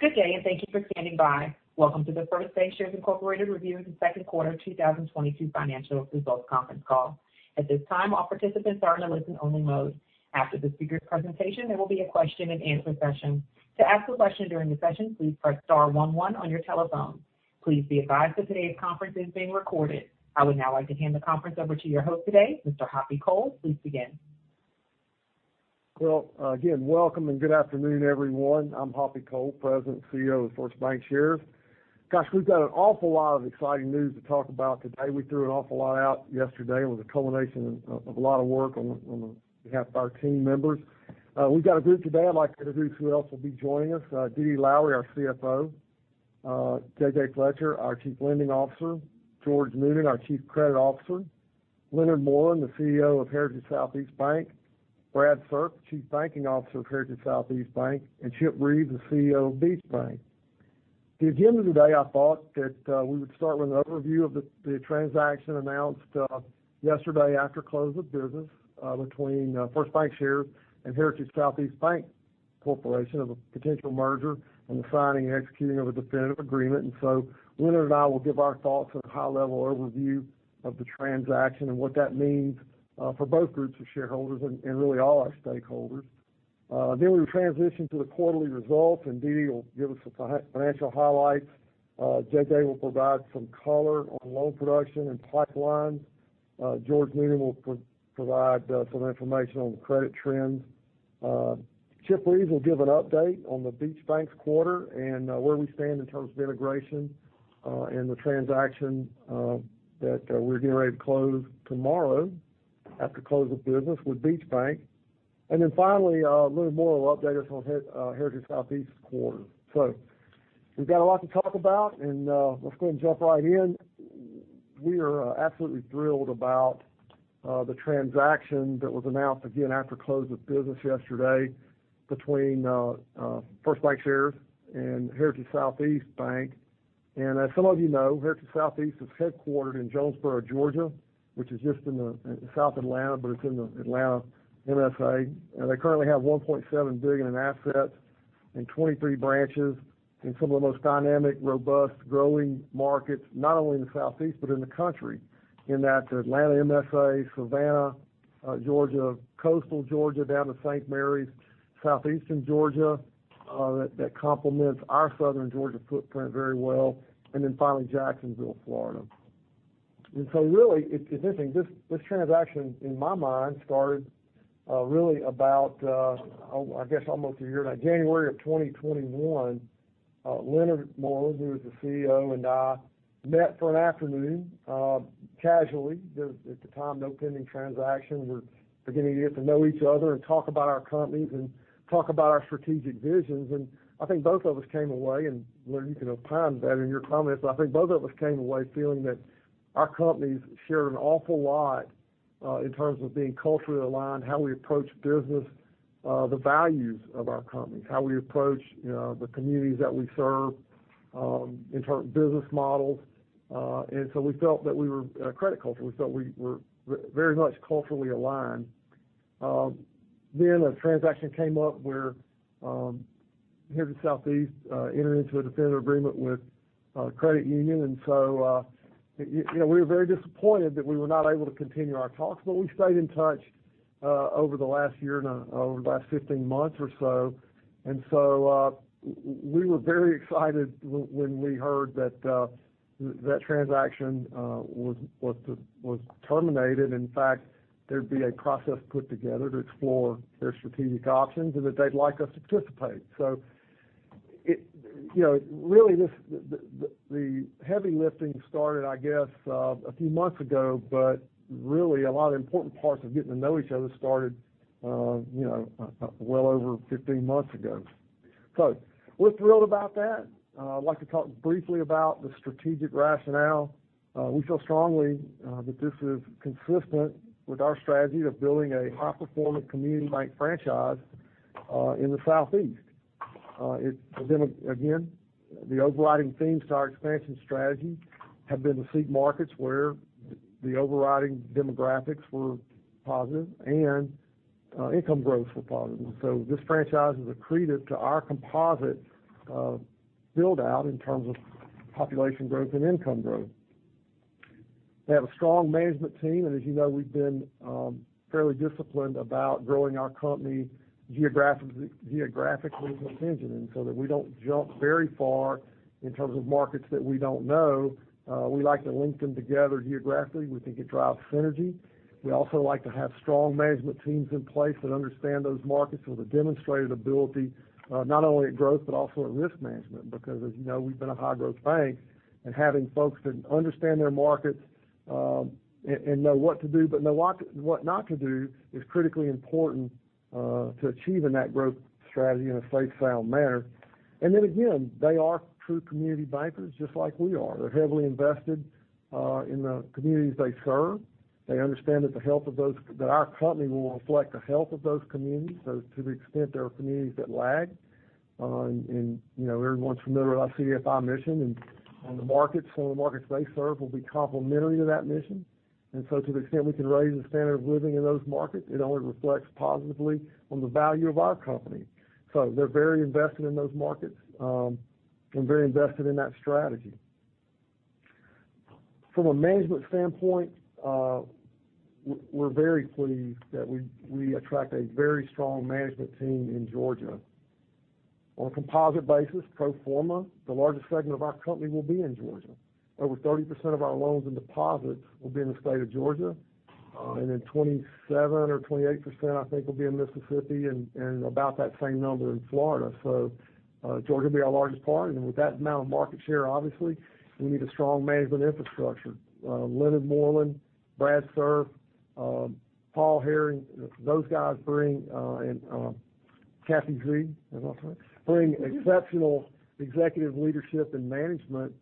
Good day, and thank you for standing by. Welcome to The First Bancshares, Inc. review of the Q2 2022 Financial Results Conference Call. At this time, all participants are in a listen-only mode. After the speaker presentation, there will be a question and answer session. To ask a question during the session, please press star one one on your telephone. Please be advised that today's conference is being recorded. I would now like to hand the conference over to your host today, Mr. Hoppy Cole. Please begin. Well, again, welcome and good afternoon, everyone. I'm Hoppy Cole, President and CEO of The First Bancshares, Inc. Gosh, we've got an awful lot of exciting news to talk about today. We threw an awful lot out yesterday. It was a culmination of a lot of work on the behalf of our team members. We've got a group today. I'd like to introduce who else will be joining us. Dede Lowery, our CFO, J.J. Fletcher, our Chief Lending Officer, George Noonan, our Chief Credit Officer, Leonard Moreland, the CEO of Heritage Southeast Bank, Brad Serff, Chief Banking Officer of Heritage Southeast Bank, and Chip Reeves, the CEO of Beach Bank. To begin today, I thought that we would start with an overview of the transaction announced yesterday after close of business between The First Bancshares, Inc. and Heritage Southeast Bancorporation, Inc. of a potential merger and the signing and executing of a definitive agreement. Leonard and I will give our thoughts a high level overview of the transaction and what that means for both groups of shareholders and really all our stakeholders. Then we transition to the quarterly results, and Dede will give us some financial highlights. J.J. will provide some color on loan production and pipelines. George Noonan will provide some information on the credit trends. Chip Reeves will give an update on the Beach Bank's quarter and where we stand in terms of integration and the transaction that we're getting ready to close tomorrow after close of business with Beach Bank. Then finally, Leonard Moreland will update us on Heritage Southeast quarter. We've got a lot to talk about, and let's go ahead and jump right in. We are absolutely thrilled about the transaction that was announced again after close of business yesterday between The First Bancshares and Heritage Southeast Bank. As some of you know, Heritage Southeast is headquartered in Jonesboro, Georgia, which is just south of Atlanta, but it's in the Atlanta MSA. They currently have $1.7 billion in assets and 23 branches in some of the most dynamic, robust growing markets, not only in the Southeast but in the country, in that Atlanta MSA, Savannah, Georgia, coastal Georgia down to St. Mary's, Southeastern Georgia, that complements our Southern Georgia footprint very well, and then finally, Jacksonville, Florida. Really, it's interesting. This transaction, in my mind, started really about oh, I guess almost a year and like January of 2021, Leonard Moreland, who is the CEO, and I met for an afternoon, casually. There was at the time, no pending transaction. We're beginning to get to know each other and talk about our companies and talk about our strategic visions. I think both of us came away, and Leonard, you can opine better in your comments, but I think both of us came away feeling that our companies share an awful lot in terms of being culturally aligned, how we approach business, the values of our companies, how we approach, you know, the communities that we serve, in terms of business models. We felt that we were very much culturally aligned. Then a transaction came up where Heritage Southeast entered into a definitive agreement with a credit union. You know, we were very disappointed that we were not able to continue our talks, but we stayed in touch over the last year and over the last 15 months or so. We were very excited when we heard that that transaction was terminated. In fact, there'd be a process put together to explore their strategic options and that they'd like us to participate. You know, really, the heavy lifting started, I guess, a few months ago, but really a lot of important parts of getting to know each other started, you know, well over 15 months ago. We're thrilled about that. I'd like to talk briefly about the strategic rationale. We feel strongly that this is consistent with our strategy of building a high-performing community bank franchise in the Southeast. Again, the overriding themes to our expansion strategy have been to seek markets where the overriding demographics were positive and income growths were positive This franchise is accretive to our composite build out in terms of population growth and income growth. They have a strong management team, and as you know, we've been fairly disciplined about growing our company geographically with intention that we don't jump very far in terms of markets that we don't know. We like to link them together geographically. We think it drives synergy. We also like to have strong management teams in place that understand those markets with a demonstrated ability not only at growth but also at risk management. Because as you know, we've been a high growth bank, and having folks that understand their markets and know what to do but know what not to do is critically important to achieving that growth strategy in a safe, sound manner. They are true community bankers just like we are. They're heavily invested in the communities they serve. They understand that our company will reflect the health of those communities. To the extent there are communities that lag, and you know, everyone's familiar with our CDFI mission and the markets, some of the markets they serve will be complementary to that mission. To the extent we can raise the standard of living in those markets, it only reflects positively on the value of our company. They're very invested in those markets and very invested in that strategy. From a management standpoint, we're very pleased that we attract a very strong management team in Georgia. On a composite basis, pro forma, the largest segment of our company will be in Georgia. Over 30% of our loans and deposits will be in the state of Georgia, and then 27% or 28%, I think, will be in Mississippi and about that same number in Florida. Georgia will be our largest partner, and with that amount of market share, obviously, we need a strong management infrastructure. Leonard Moreland, Brad Serff, Paul Herring, those guys bring and Kathy Zrieg bring exceptional executive leadership and management,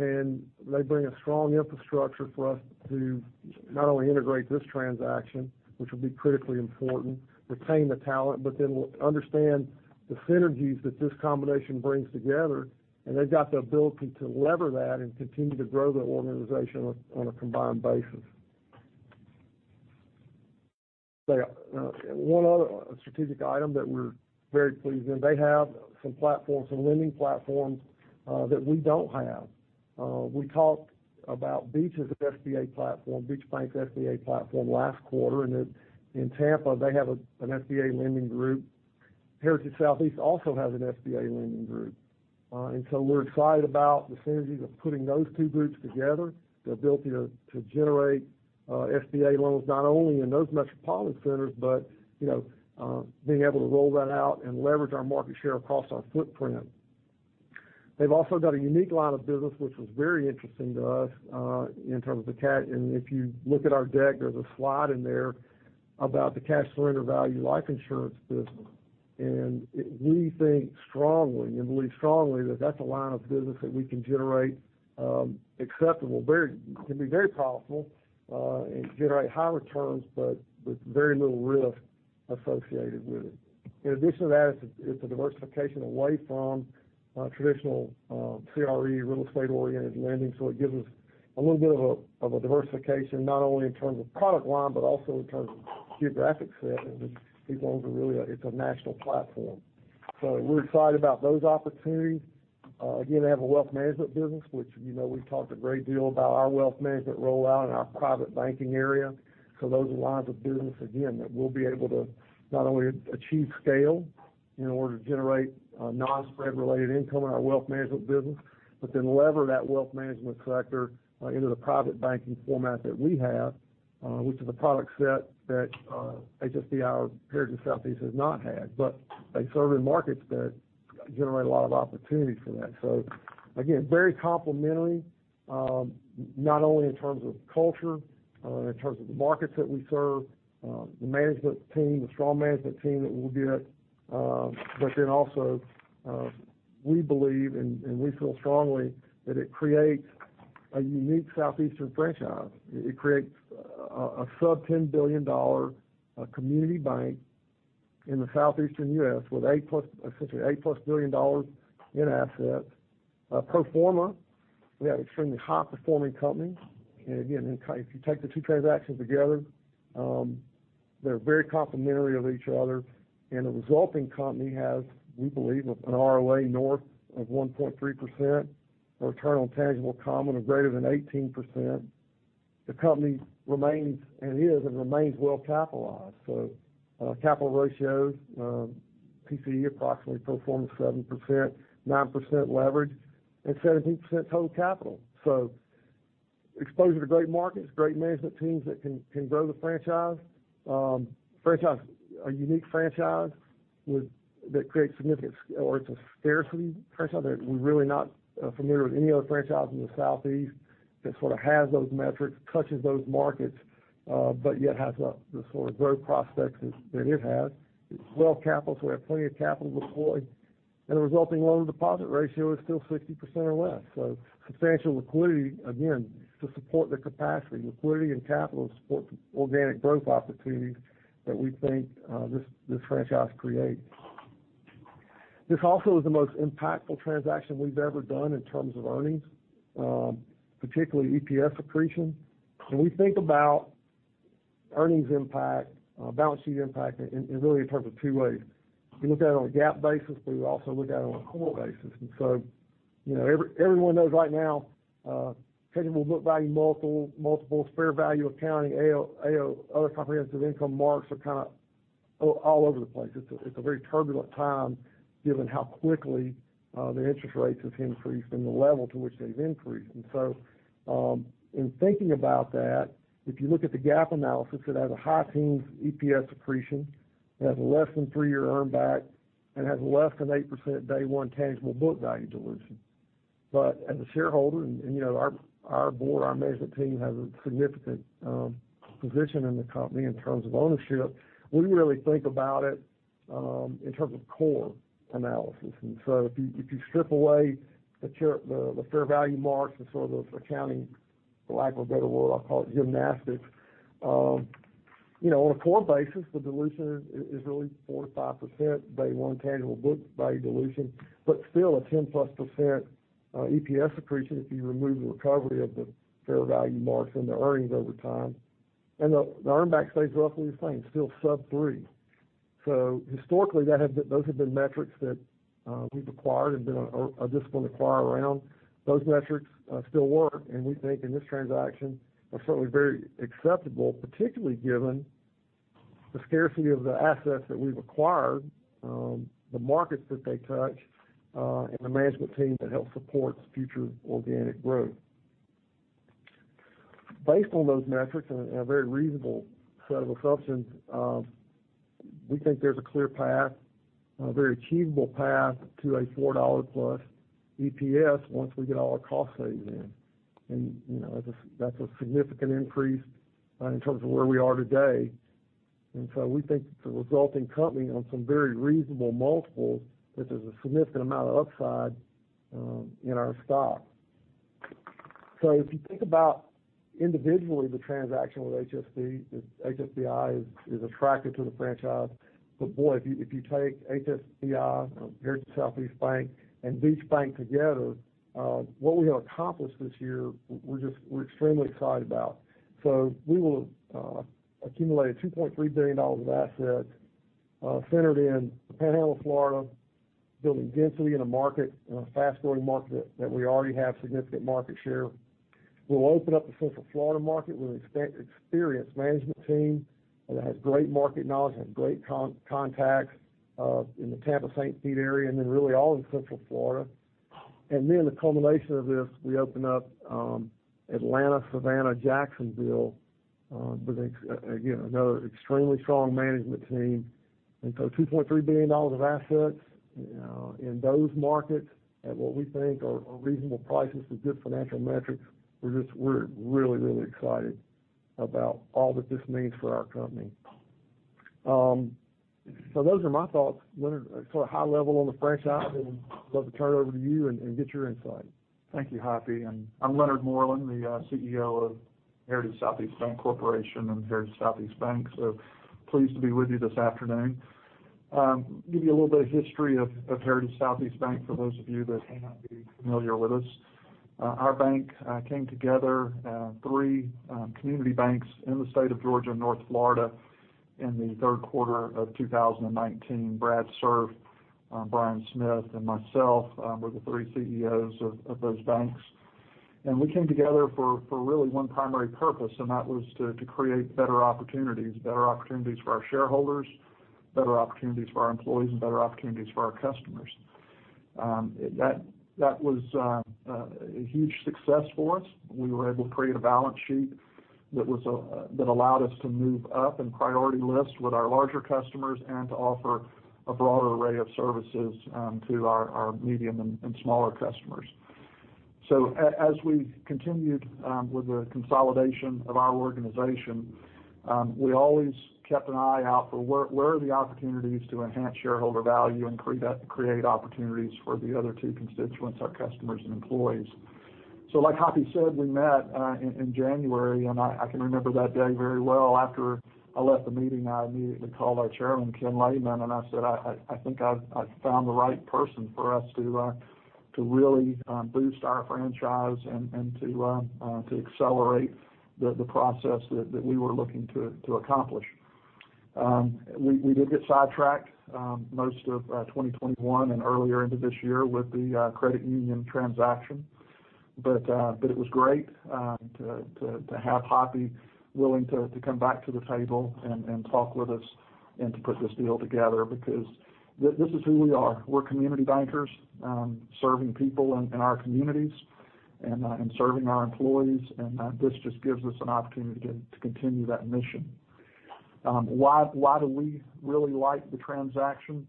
and they bring a strong infrastructure for us to not only integrate this transaction, which will be critically important, retain the talent, but then understand the synergies that this combination brings together. They've got the ability to lever that and continue to grow the organization on a combined basis. One other strategic item that we're very pleased in, they have some platforms, some lending platforms, that we don't have. We talked about Beach's SBA platform, Beach Bank's SBA platform last quarter. In Tampa, they have an SBA lending group. Heritage Southeast also has an SBA lending group. We're excited about the synergies of putting those two groups together, the ability to generate SBA loans, not only in those metropolitan centers but, you know, being able to roll that out and leverage our market share across our footprint. They've also got a unique line of business, which was very interesting to us, in terms of and if you look at our deck, there's a slide in there about the cash surrender value life insurance business. We think strongly and believe strongly that that's a line of business that we can generate acceptable can be very profitable and generate high returns, but with very little risk associated with it. In addition to that, it's a diversification away from traditional CRE real estate-oriented lending. It gives us a little bit of a diversification, not only in terms of product line, but also in terms of geographic set. These loans are really a national platform. We're excited about those opportunities. Again, they have a wealth management business, which, you know, we've talked a great deal about our wealth management rollout in our private banking area. Those are lines of business, again, that we'll be able to not only achieve scale in order to generate non-spread related income in our wealth management business, but then lever that wealth management sector into the private banking format that we have, which is a product set that HSBI, Heritage Southeast has not had. They serve in markets that generate a lot of opportunities for that. Very complementary, not only in terms of culture, in terms of the markets that we serve, the management team, the strong management team that we'll get, but then also, we believe and we feel strongly that it creates a unique southeastern franchise. It creates a sub-$10 billion community bank in the southeastern U.S. with $8+ billion, essentially $8+ billion in assets. Pro forma, we have extremely high-performing companies. Again, if you take the two transactions together, they're very complementary of each other. The resulting company has, we believe, an ROA north of 1.3%, a return on tangible common of greater than 18%. The company remains well capitalized. Capital ratios, TCE approximately pro forma 7%, 9% leverage, and 17% total capital. Exposure to great markets, great management teams that can grow the franchise. Franchise, a unique franchise that creates significant, or it's a scarcity franchise that we're really not familiar with any other franchise in the southeast that sort of has those metrics, touches those markets, but yet has the sort of growth prospects that it has. It's well capitalized, so we have plenty of capital to deploy. The resulting loan-to-deposit ratio is still 60% or less. Substantial liquidity, again, to support the capacity, liquidity and capital to support organic growth opportunities that we think this franchise creates. This also is the most impactful transaction we've ever done in terms of earnings, particularly EPS accretion. When we think about earnings impact, balance sheet impact in really in terms of two ways. We look at it on a GAAP basis, but we also look at it on a core basis. You know, everyone knows right now, tangible book value multiples, fair value accounting, AOCI other comprehensive income marks are kind of all over the place. It's a very turbulent time given how quickly the interest rates have increased and the level to which they've increased. In thinking about that, if you look at the GAAP analysis, it has a high teens EPS accretion. It has a less than three-year earn back and has less than 8% day one tangible book value dilution. As a shareholder and you know, our board, our management team has a significant position in the company in terms of ownership, we really think about it in terms of core analysis. If you strip away the fair value marks and some of the accounting, for lack of a better word, I'll call it gymnastics, you know, on a core basis, the dilution is really 4%-5% day one tangible book value dilution. But still a 10%+ EPS accretion if you remove the recovery of the fair value marks and the earnings over time. The earn back stays roughly the same, still sub-three. Historically, that has been, those have been metrics that we've acquired or disciplined acquire around. Those metrics still work, and we think in this transaction are certainly very acceptable, particularly given the scarcity of the assets that we've acquired, the markets that they touch, and the management team that help support future organic growth. Based on those metrics and a very reasonable set of assumptions, we think there's a clear path, a very achievable path to a $4+ EPS once we get all our cost savings in. You know, that's a significant increase in terms of where we are today. We think the resulting company on some very reasonable multiples, this is a significant amount of upside in our stock. If you think about individually the transaction with HSB, HSBI is attractive to the franchise. But boy, if you take HSBI, Heritage Southeast Bank and Beach Bank together, what we have accomplished this year, we're extremely excited about. We will accumulate a $2.3 billion of assets centered in the Panhandle of Florida, building density in a market, in a fast-growing market that we already have significant market share. We'll open up the Central Florida market with an experienced management team that has great market knowledge and great contacts in the Tampa-St. Pete area, and then really all of Central Florida. The culmination of this, we open up Atlanta, Savannah, Jacksonville with again another extremely strong management team. $2.3 billion of assets in those markets at what we think are reasonable prices with good financial metrics, we're just really excited about all that this means for our company. Those are my thoughts, Leonard, sort of high level on the franchise, and I'd love to turn it over to you and get your insight. Thank you, Hoppy. I'm Leonard Moreland, the CEO of Heritage Southeast Bancorporation, Inc. and Heritage Southeast Bank. So pleased to be with you this afternoon. Give you a little bit of history of Heritage Southeast Bank for those of you that may not be familiar with us. Our bank came together three community banks in the state of Georgia and North Florida in the Q3 of 2019. Brad Serff, Brian Smith, and myself, we're the three CEOs of those banks. We came together for really one primary purpose, and that was to create better opportunities, better opportunities for our shareholders, better opportunities for our employees, and better opportunities for our customers. That was a huge success for us. We were able to create a balance sheet that allowed us to move up in priority lists with our larger customers and to offer a broader array of services to our medium and smaller customers. As we continued with the consolidation of our organization, we always kept an eye out for where are the opportunities to enhance shareholder value and create opportunities for the other two constituents, our customers and employees. Like Hoppy said, we met in January, and I can remember that day very well. After I left the meeting, I immediately called our chairman, Kenneth Lehman, and I said, I think I've found the right person for us to really boost our franchise and to accelerate the process that we were looking to accomplish. We did get sidetracked most of 2021 and earlier into this year with the credit union transaction. It was great to have Hoppy willing to come back to the table and talk with us and to put this deal together because this is who we are. We're community bankers serving people in our communities and serving our employees, and this just gives us an opportunity to continue that mission. Why do we really like the transaction?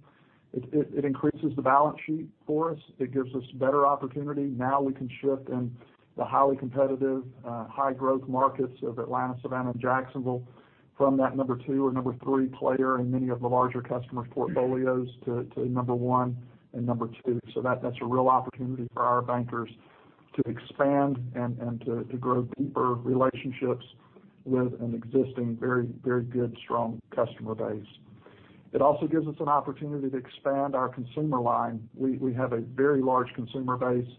It increases the balance sheet for us. It gives us better opportunity. Now we can shift in the highly competitive high growth markets of Atlanta, Savannah, and Jacksonville from that number two or number three player in many of the larger customers' portfolios to number one and number two. That's a real opportunity for our bankers to expand and to grow deeper relationships with an existing very good, strong customer base. It also gives us an opportunity to expand our consumer line. We have a very large consumer base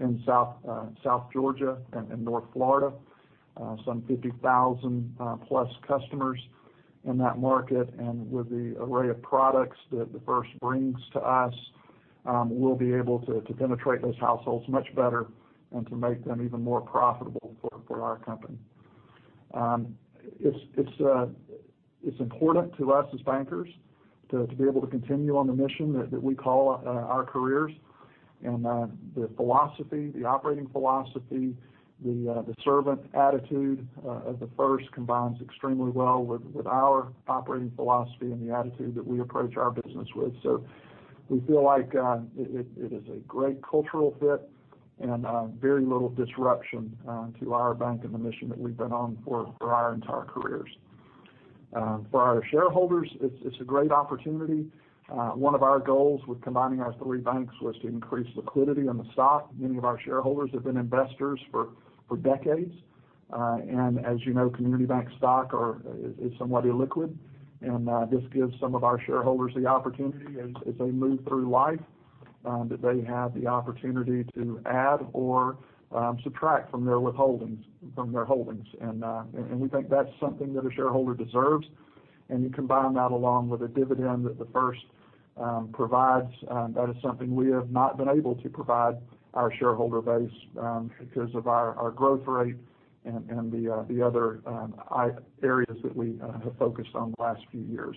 in South Georgia and in North Florida, some 50,000 plus customers in that market. With the array of products that the First brings to us, we'll be able to penetrate those households much better and to make them even more profitable for our company. It's important to us as bankers to be able to continue on the mission that we call our careers. The philosophy, the operating philosophy, the servant attitude of the First combines extremely well with our operating philosophy and the attitude that we approach our business with. We feel like it is a great cultural fit and very little disruption to our bank and the mission that we've been on for our entire careers. For our shareholders, it's a great opportunity. One of our goals with combining our three banks was to increase liquidity in the stock. Many of our shareholders have been investors for decades. As you know, community bank stock is somewhat illiquid. This gives some of our shareholders the opportunity as they move through life that they have the opportunity to add or subtract from their holdings. We think that's something that a shareholder deserves. You combine that along with a dividend that The First provides, that is something we have not been able to provide our shareholder base, because of our growth rate and the other areas that we have focused on the last few years.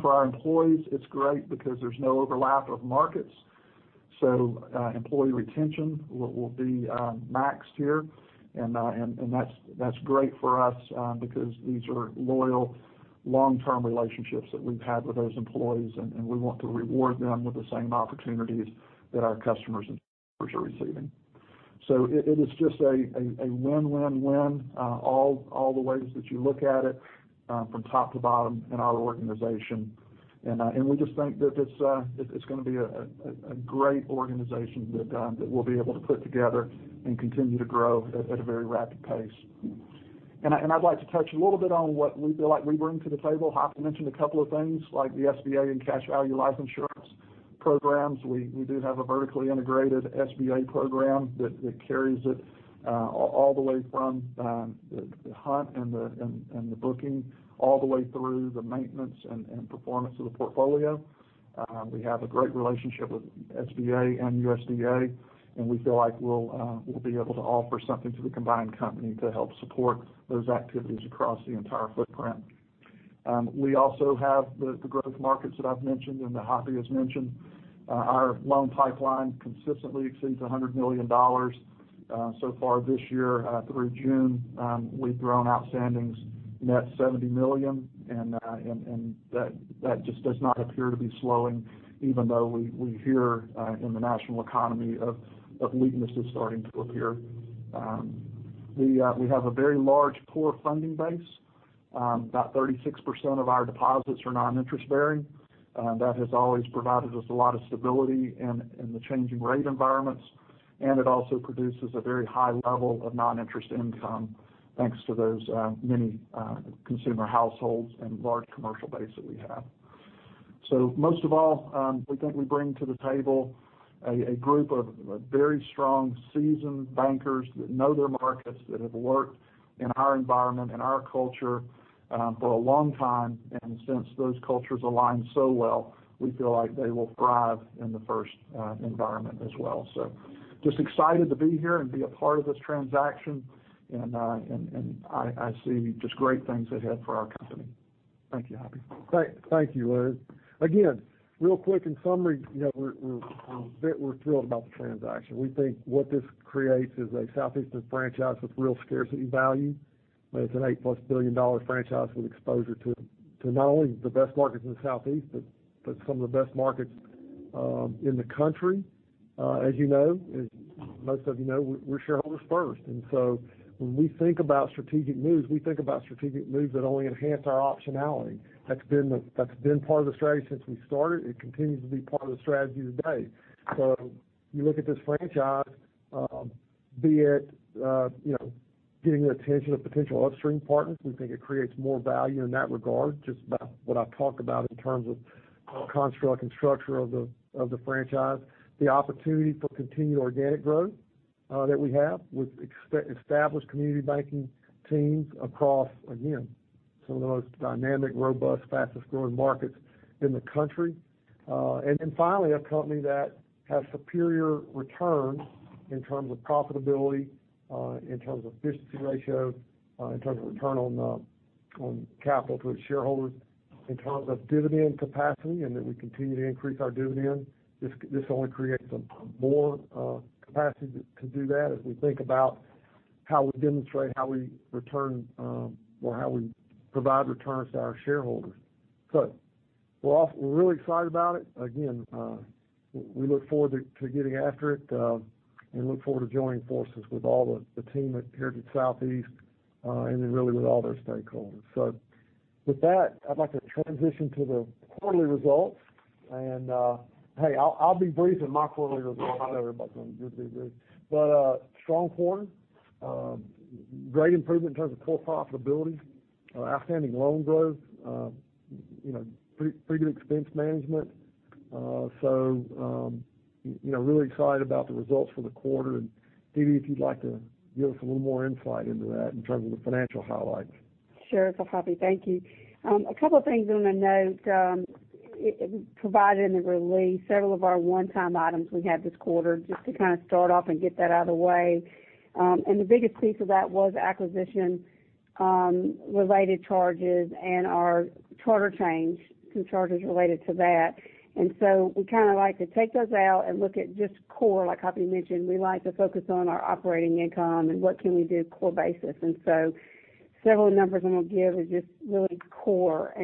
For our employees, it's great because there's no overlap of markets. Employee retention will be maxed here, and that's great for us, because these are loyal, long-term relationships that we've had with those employees, and we want to reward them with the same opportunities that our customers are receiving. It is just a win-win-win all the ways that you look at it, from top to bottom in our organization. We just think that it's gonna be a great organization that we'll be able to put together and continue to grow at a very rapid pace. I'd like to touch a little bit on what we feel like we bring to the table. Hoppy mentioned a couple of things like the SBA and cash value life insurance programs. We do have a vertically integrated SBA program that carries it all the way from the hunt and the booking, all the way through the maintenance and performance of the portfolio. We have a great relationship with SBA and USDA, and we feel like we'll be able to offer something to the combined company to help support those activities across the entire footprint. We also have the growth markets that I've mentioned and that Hoppy has mentioned. Our loan pipeline consistently exceeds $100 million. So far this year, through June, we've grown outstandings net $70 million. That just does not appear to be slowing even though we hear in the national economy of weaknesses starting to appear. We have a very large pool of funding base. About 36% of our deposits are non-interest bearing. That has always provided us a lot of stability in the changing rate environments, and it also produces a very high level of non-interest income, thanks to those many consumer households and large commercial base that we have. Most of all, we think we bring to the table a group of very strong seasoned bankers that know their markets, that have worked in our environment and our culture for a long time. Since those cultures align so well, we feel like they will thrive in the First environment as well. Just excited to be here and be a part of this transaction. I see just great things ahead for our company. Thank you, Hoppy. Thank you, Leonard. Again, real quick, in summary, you know, we're thrilled about the transaction. We think what this creates is a southeastern franchise with real scarcity value. It's a $8+ billion franchise with exposure to not only the best markets in the Southeast, but some of the best markets in the country. As you know, as most of you know, we're shareholders first. When we think about strategic moves, we think about strategic moves that only enhance our optionality. That's been part of the strategy since we started. It continues to be part of the strategy today. You look at this franchise, be it, you know, getting the attention of potential upstream partners, we think it creates more value in that regard, just about what I've talked about in terms of construct and structure of the franchise. The opportunity for continued organic growth that we have with established community banking teams across, again, some of the most dynamic, robust, fastest-growing markets in the country. Then finally, a company that has superior returns in terms of profitability, in terms of efficiency ratio, in terms of return on capital to its shareholders, in terms of dividend capacity, and that we continue to increase our dividend. This only creates more capacity to do that as we think about how we demonstrate, how we return, or how we provide returns to our shareholders. We're really excited about it. Again, we look forward to getting after it, and look forward to joining forces with all the team at Heritage Southeast, and then really with all their stakeholders. With that, I'd like to transition to the quarterly results. Hey, I'll be brief in my quarterly results. I know everybody's going to do. Strong quarter. Great improvement in terms of core profitability. Outstanding loan growth. You know, pretty good expense management. So, you know, really excited about the results for the quarter. Donna Lowery, if you'd like to give us a little more insight into that in terms of the financial highlights. Sure. Hoppy, thank you. A couple of things I'm gonna note, provided in the release, several of our one-time items we had this quarter, just to kind of start off and get that out of the way. The biggest piece of that was acquisition related charges and our charter change, some charges related to that. We kind of like to take those out and look at just core, like Hoppy mentioned, we like to focus on our operating income and what can we do core basis. Several numbers I'm going to give is just really core.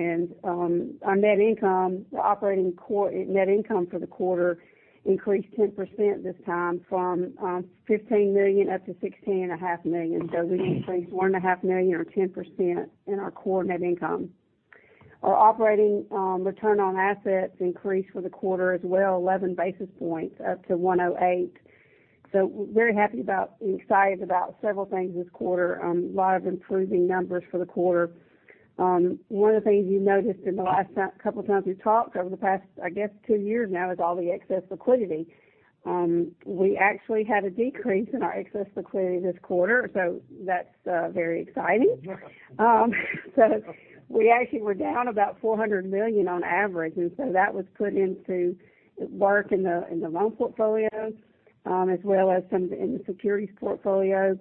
Our net income, the operating core net income for the quarter increased 10% this time from $15 million up to $16.5 million. We increased $1.5 million or 10% in our core net income. Our operating return on assets increased for the quarter as well, 11 basis points up to 108. We're happy about being excited about several things this quarter. A lot of improving numbers for the quarter. One of the things you noticed in the couple of times we've talked over the past, I guess, two years now is all the excess liquidity. We actually had a decrease in our excess liquidity this quarter, so that's very exciting. So we actually were down about $400 million on average, and so that was put into work in the loan portfolio, as well as some in the securities portfolio.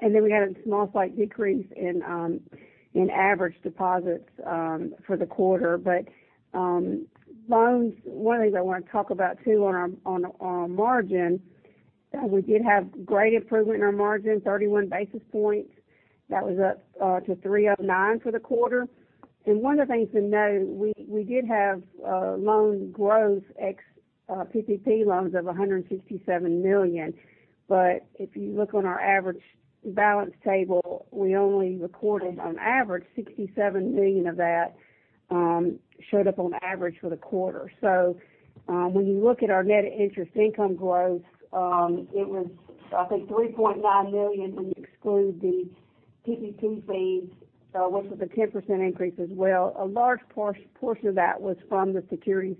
Then we had a small slight decrease in average deposits for the quarter. Loans, one of the things I wanna talk about, too, on our margin, we did have great improvement in our margin, 31 basis points. That was up to 3.09% for the quarter. One of the things to note, we did have loan growth ex-PPP loans of $167 million. If you look on our average balance table, we only recorded on average $67 million of that showed up on average for the quarter. When you look at our net interest income growth, it was, I think, $3.9 million, when you exclude the PPP fees, which was a 10% increase as well. A large portion of that was from the securities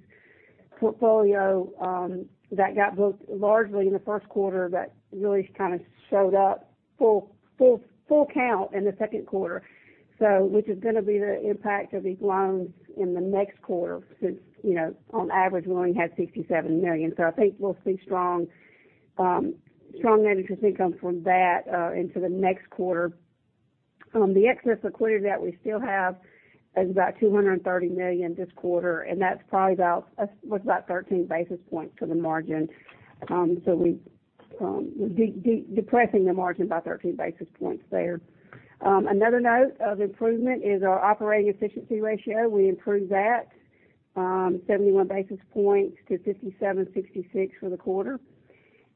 portfolio that got booked largely in the Q1, but really kind of showed up full count in the Q2. Which is gonna be the impact of these loans in the next quarter since, you know, on average, we only had $67 million. I think we'll see strong net interest income from that into the next quarter. The excess liquidity that we still have is about $230 million this quarter, and that's probably about 13 basis points for the margin. We depressing the margin by 13 basis points there. Another note of improvement is our operating efficiency ratio. We improved that 71 basis points to 57, 66 for the quarter.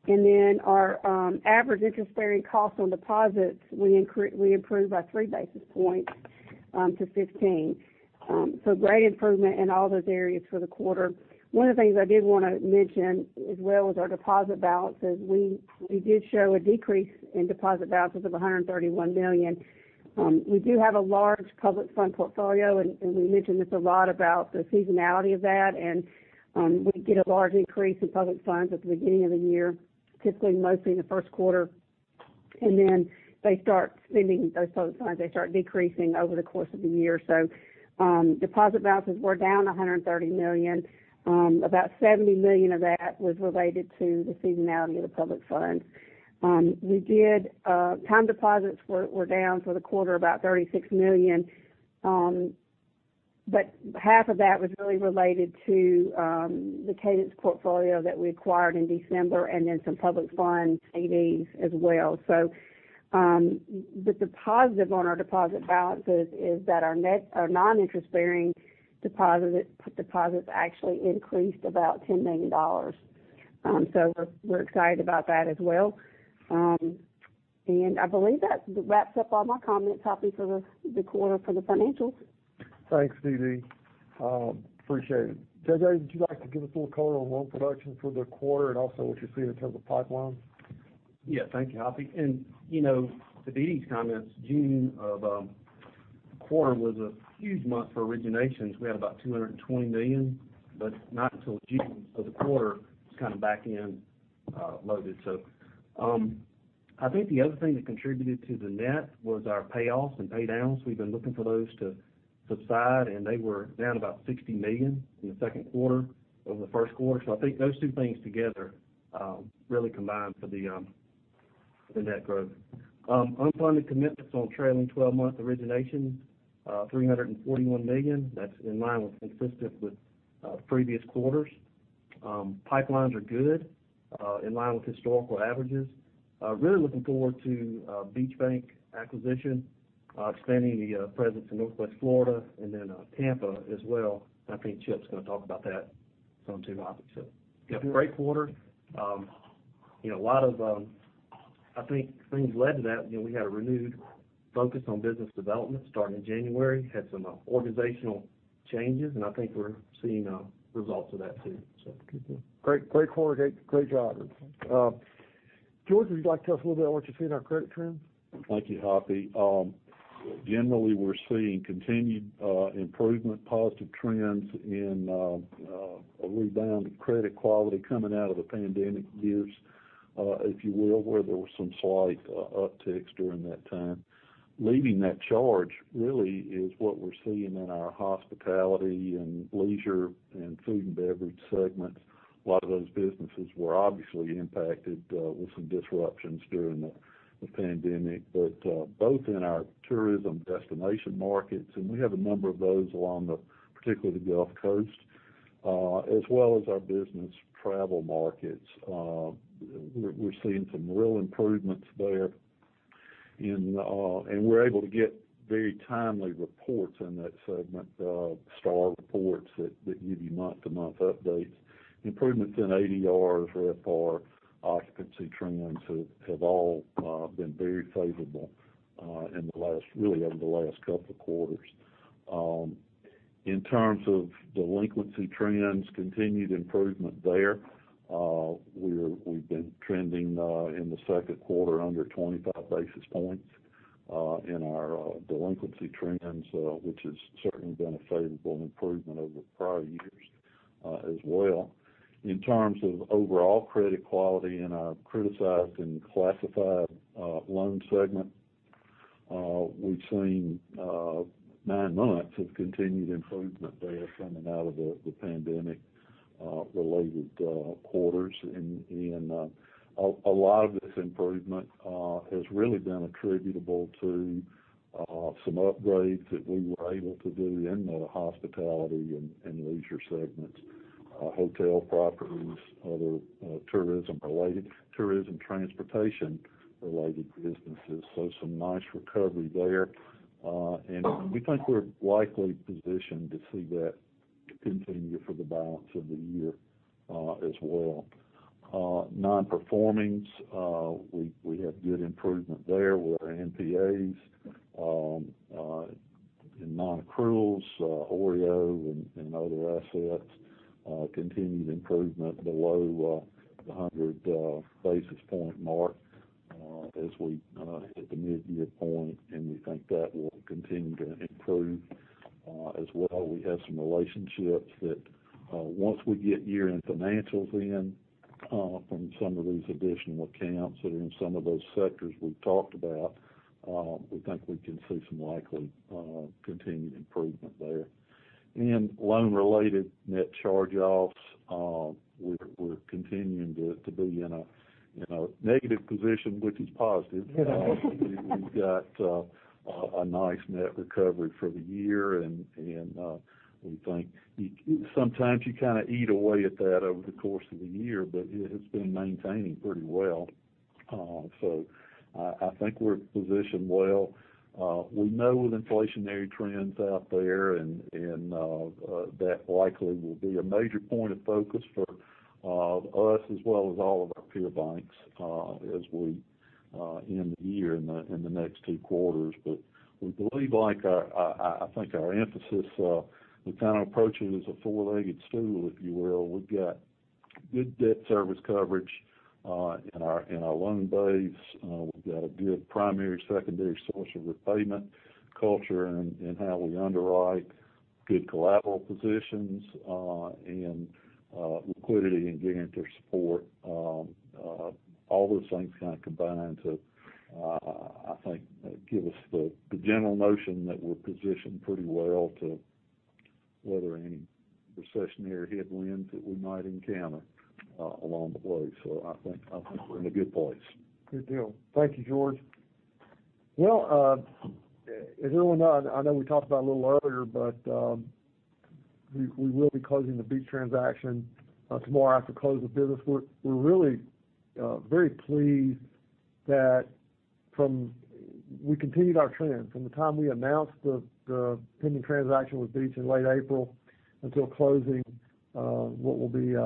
Our average interest-bearing cost on deposits, we improved by three basis points to 15. Great improvement in all those areas for the quarter. One of the things I did wanna mention as well was our deposit balances. We did show a decrease in deposit balances of $131 million. We do have a large public fund portfolio, and we mentioned this a lot about the seasonality of that. We get a large increase in public funds at the beginning of the year, typically mostly in the Q1. Then they start spending those public funds, they start decreasing over the course of the year. Deposit balances were down $130 million. About $70 million of that was related to the seasonality of the public funds. Time deposits were down for the quarter, about $36 million. But half of that was really related to the Cadence portfolio that we acquired in December, and then some public fund CDs as well. The positive on our deposit balances is that our non-interest-bearing deposits actually increased about $10 million. We're excited about that as well. I believe that wraps up all my comments, Hoppy, for the quarter for the financials. Thanks, Dede. Appreciate it. J.J., would you like to give us a little color on loan production for the quarter and also what you see in terms of pipelines? Yeah. Thank you, Hoppy. You know, to Dede's comments, June of quarter was a huge month for originations. We had about $220 million, but not until June. The quarter is kind of back-end loaded. I think the other thing that contributed to the net was our payoffs and pay downs. We've been looking for those to subside, and they were down about $60 million in the Q2 over the Q1. I think those two things together really combined for the net growth. Unfunded commitments on trailing 12-month origination, $341 million. That's in line with, consistent with, previous quarters. Pipelines are good, in line with historical averages. Really looking forward to Beach Bank acquisition, expanding the presence in Northwest Florida and then Tampa as well. I think Chip's gonna talk about that some too, Hoppy, so great quarter. You know, a lot of, I think things led to that. You know, we had a renewed focus on business development starting in January, had some organizational changes, and I think we're seeing results of that, too. Great. Great quarter, great job. George, would you like to tell us a little bit about what you see in our credit trends? Thank you, Hoppy. Generally, we're seeing continued improvement, positive trends in a rebound in credit quality coming out of the pandemic years, if you will, where there was some slight upticks during that time. Leading that charge really is what we're seeing in our hospitality and leisure and food and beverage segments. A lot of those businesses were obviously impacted with some disruptions during the pandemic. Both in our tourism destination markets, and we have a number of those along particularly the Gulf Coast, as well as our business travel markets. We're seeing some real improvements there and we're able to get very timely reports in that segment, STR report that give you month-to-month updates. Improvements in ADR, RevPAR, occupancy trends have all been very favorable in the last, really over the last couple of quarters. In terms of delinquency trends, continued improvement there. We've been trending in the Q2 under 25 basis points in our delinquency trends, which has certainly been a favorable improvement over prior years, as well. In terms of overall credit quality in our criticized and classified loan segment, we've seen nine months of continued improvement there coming out of the pandemic-related quarters. A lot of this improvement has really been attributable to some upgrades that we were able to do in the hospitality and leisure segments, hotel properties, other tourism-related transportation-related businesses. Some nice recovery there. We think we're likely positioned to see that continue for the balance of the year, as well. Nonperformings, we have good improvement there with our NPAs in nonaccruals, OREO and other assets continued improvement below the 100 basis point mark as we hit the mid-year point, and we think that will continue to improve as well. We have some relationships that once we get year-end financials in from some of these additional accounts that are in some of those sectors we've talked about, we think we can see some likely continued improvement there. Loan-related net charge-offs, we're continuing to be in a negative position, which is positive. We've got a nice net recovery for the year and we think sometimes you kind of eat away at that over the course of the year, but it has been maintaining pretty well. I think we're positioned well. We know with inflationary trends out there and that likely will be a major point of focus for us as well as all of our peer banks as we end the year in the next two quarters. We believe like I think our emphasis we kind of approach it as a four-legged stool, if you will. We've got good debt service coverage in our loan base. We've got a good primary, secondary source of repayment culture in how we underwrite good collateral positions, and liquidity and guarantor support. All those things kind of combine to, I think give us the general notion that we're positioned pretty well to weather any recessionary headwinds that we might encounter along the way. I think we're in a good place. Good deal. Thank you, George. Well, as everyone knows, I know we talked about it a little earlier, but we will be closing the Beach transaction tomorrow after close of business. We're really very pleased that we continued our trend. From the time we announced the pending transaction with Beach in late April until closing, what will be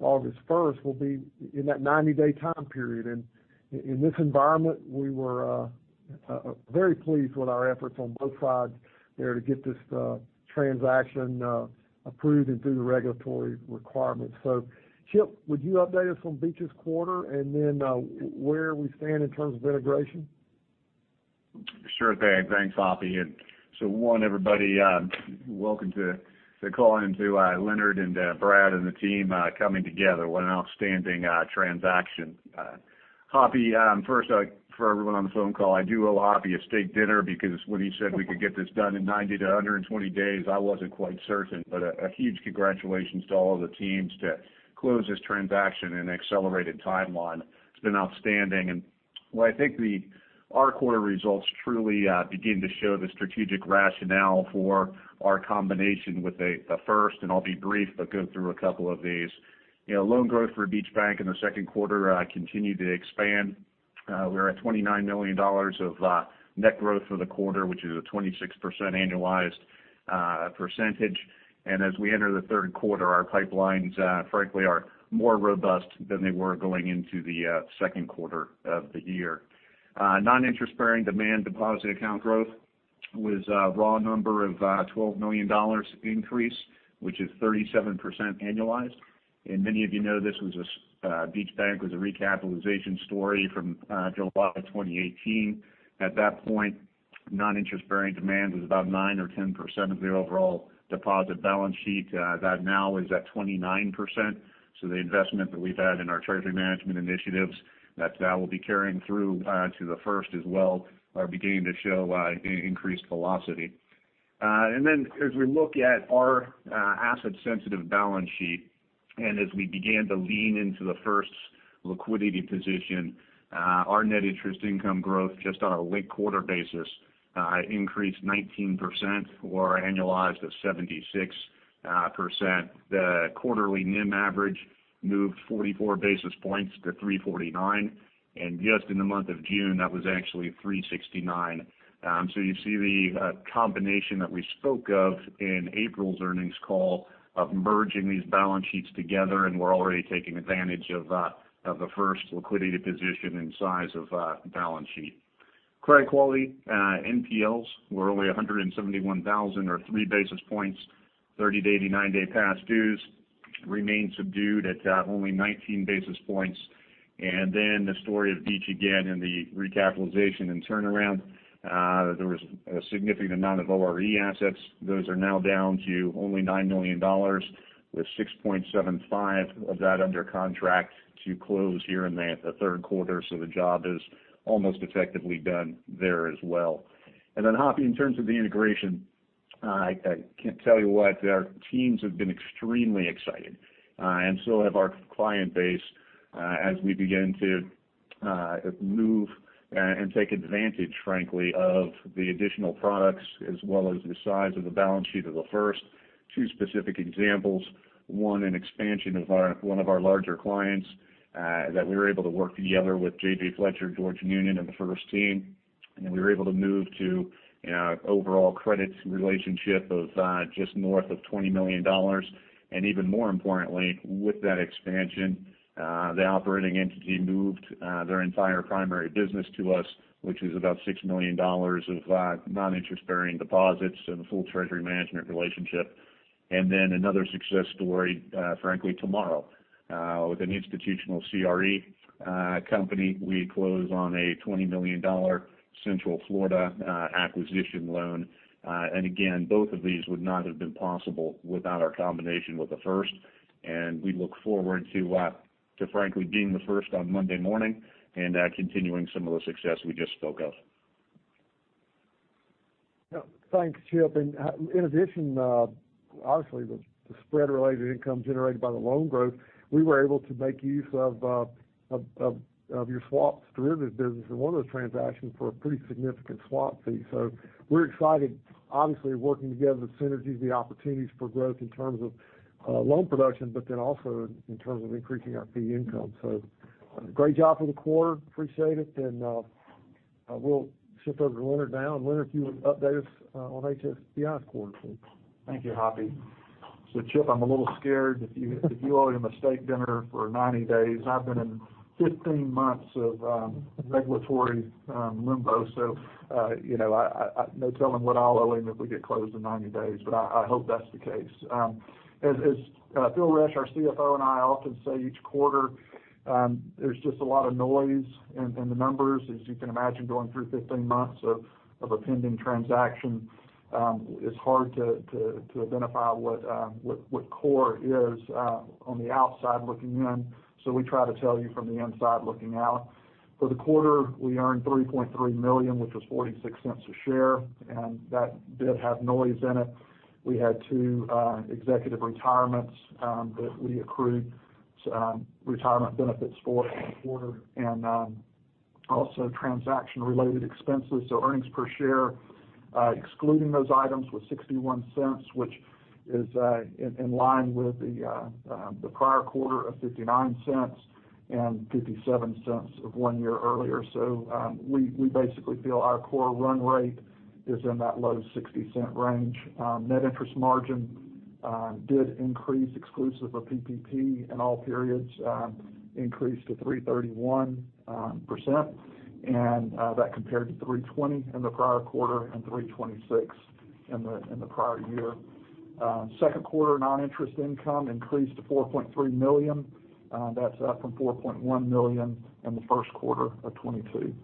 August first, will be in that 90-day time period. In this environment, we were very pleased with our efforts on both sides there to get this transaction approved and through the regulatory requirements. Chip, would you update us on Beach's quarter, and then where we stand in terms of integration? Sure thing. Thanks, Hoppy. Everyone, welcome to the call, and to Leonard and Brad and the team coming together. What an outstanding transaction. Hoppy, first, for everyone on the phone call, I do owe Hoppy a steak dinner because when he said we could get this done in 90-120 days, I wasn't quite certain. A huge congratulations to all the teams to close this transaction in an accelerated timeline. It's been outstanding. Well, I think our quarter results truly begin to show the strategic rationale for our combination with The First, and I'll be brief, but go through a couple of these. You know, loan growth for Beach Bank in the Q2 continued to expand. We're at $29 million of net growth for the quarter, which is a 26% annualized percentage. As we enter the Q3, our pipelines frankly are more robust than they were going into the Q2 of the year. Non-interest-bearing demand deposit account growth was a raw number of $12 million increase, which is 37% annualized. Many of you know this was Beach Bank was a recapitalization story from July 2018. At that point, non-interest-bearing demand was about 9% or 10% of the overall deposit balance sheet. That now is at 29%. The investment that we've had in our treasury management initiatives, that will be carrying through to The First as well, are beginning to show increased velocity. As we look at our asset sensitive balance sheet, and as we began to lean into the first liquidity position, our net interest income growth, just on a linked quarter basis, increased 19% or annualized at 76%. The quarterly NIM average moved 44 basis points to 3.49. Just in the month of June, that was actually 3.69. So you see the combination that we spoke of in April's earnings call of merging these balance sheets together, and we're already taking advantage of the first liquidity position and size of balance sheet. Credit quality, NPLs were only $171,000 or three basis points. 30-89 day past dues remain subdued at only 19 basis points. The story of Beach again in the recapitalization and turnaround, there was a significant amount of OREO assets. Those are now down to only $9 million with $6.75 million of that under contract to close here in the Q3. The job is almost effectively done there as well. Hoppy, in terms of the integration, I can't tell you what our teams have been extremely excited and so have our client base as we begin to move and take advantage, frankly, of the additional products as well as the size of the balance sheet of The First. Two specific examples, one, an expansion of one of our larger clients, that we were able to work together with J.J. Fletcher, George Noonan, and The First team, and we were able to move to an overall credit relationship of, just north of $20 million. Even more importantly, with that expansion, the operating entity moved, their entire primary business to us, which is about $6 million of, non-interest-bearing deposits and a full treasury management relationship. Then another success story, frankly, tomorrow, with an institutional CRE company, we close on a $20 million Central Florida acquisition loan. Again, both of these would not have been possible without our combination with The First. We look forward to frankly being The First on Monday morning and continuing some of the success we just spoke of. Yeah. Thanks, Chip. In addition, obviously, the spread-related income generated by the loan growth, we were able to make use of your swaps and derivatives business in one of those transactions for a pretty significant swap fee. We're excited, obviously, working together, the synergies, the opportunities for growth in terms of loan production, but then also in terms of increasing our fee income. Great job for the quarter. Appreciate it. I will shift over to Leonard now. Leonard, if you would update us on HSBI's quarter, please. Thank you, Hoppy. Chip, I'm a little scared if you owe him a steak dinner for 90 days. I've been in 15 months of regulatory limbo, you know, no telling what I'll owe him if we get closed in 90 days, but I hope that's the case. As Phil Resch, our CFO, and I often say each quarter, there's just a lot of noise in the numbers. As you can imagine, going through 15 months of a pending transaction, it's hard to identify what core is on the outside looking in. We try to tell you from the inside looking out. For the quarter, we earned $3.3 million, which was $0.46 a share, and that did have noise in it. We had two executive retirements that we accrued retirement benefits for in the quarter and also transaction-related expenses. Earnings per share excluding those items was $0.61, which is in line with the prior quarter of $0.59 and $0.57 one year earlier. We basically feel our core run rate is in that low $0.60 range. Net interest margin did increase exclusive of PPP in all periods, increased to 3.31%, and that compared to 3.20% in the prior quarter and 3.26% in the prior year. Q2 non-interest income increased to $4.3 million. That's up from $4.1 million in the Q1 of 2022.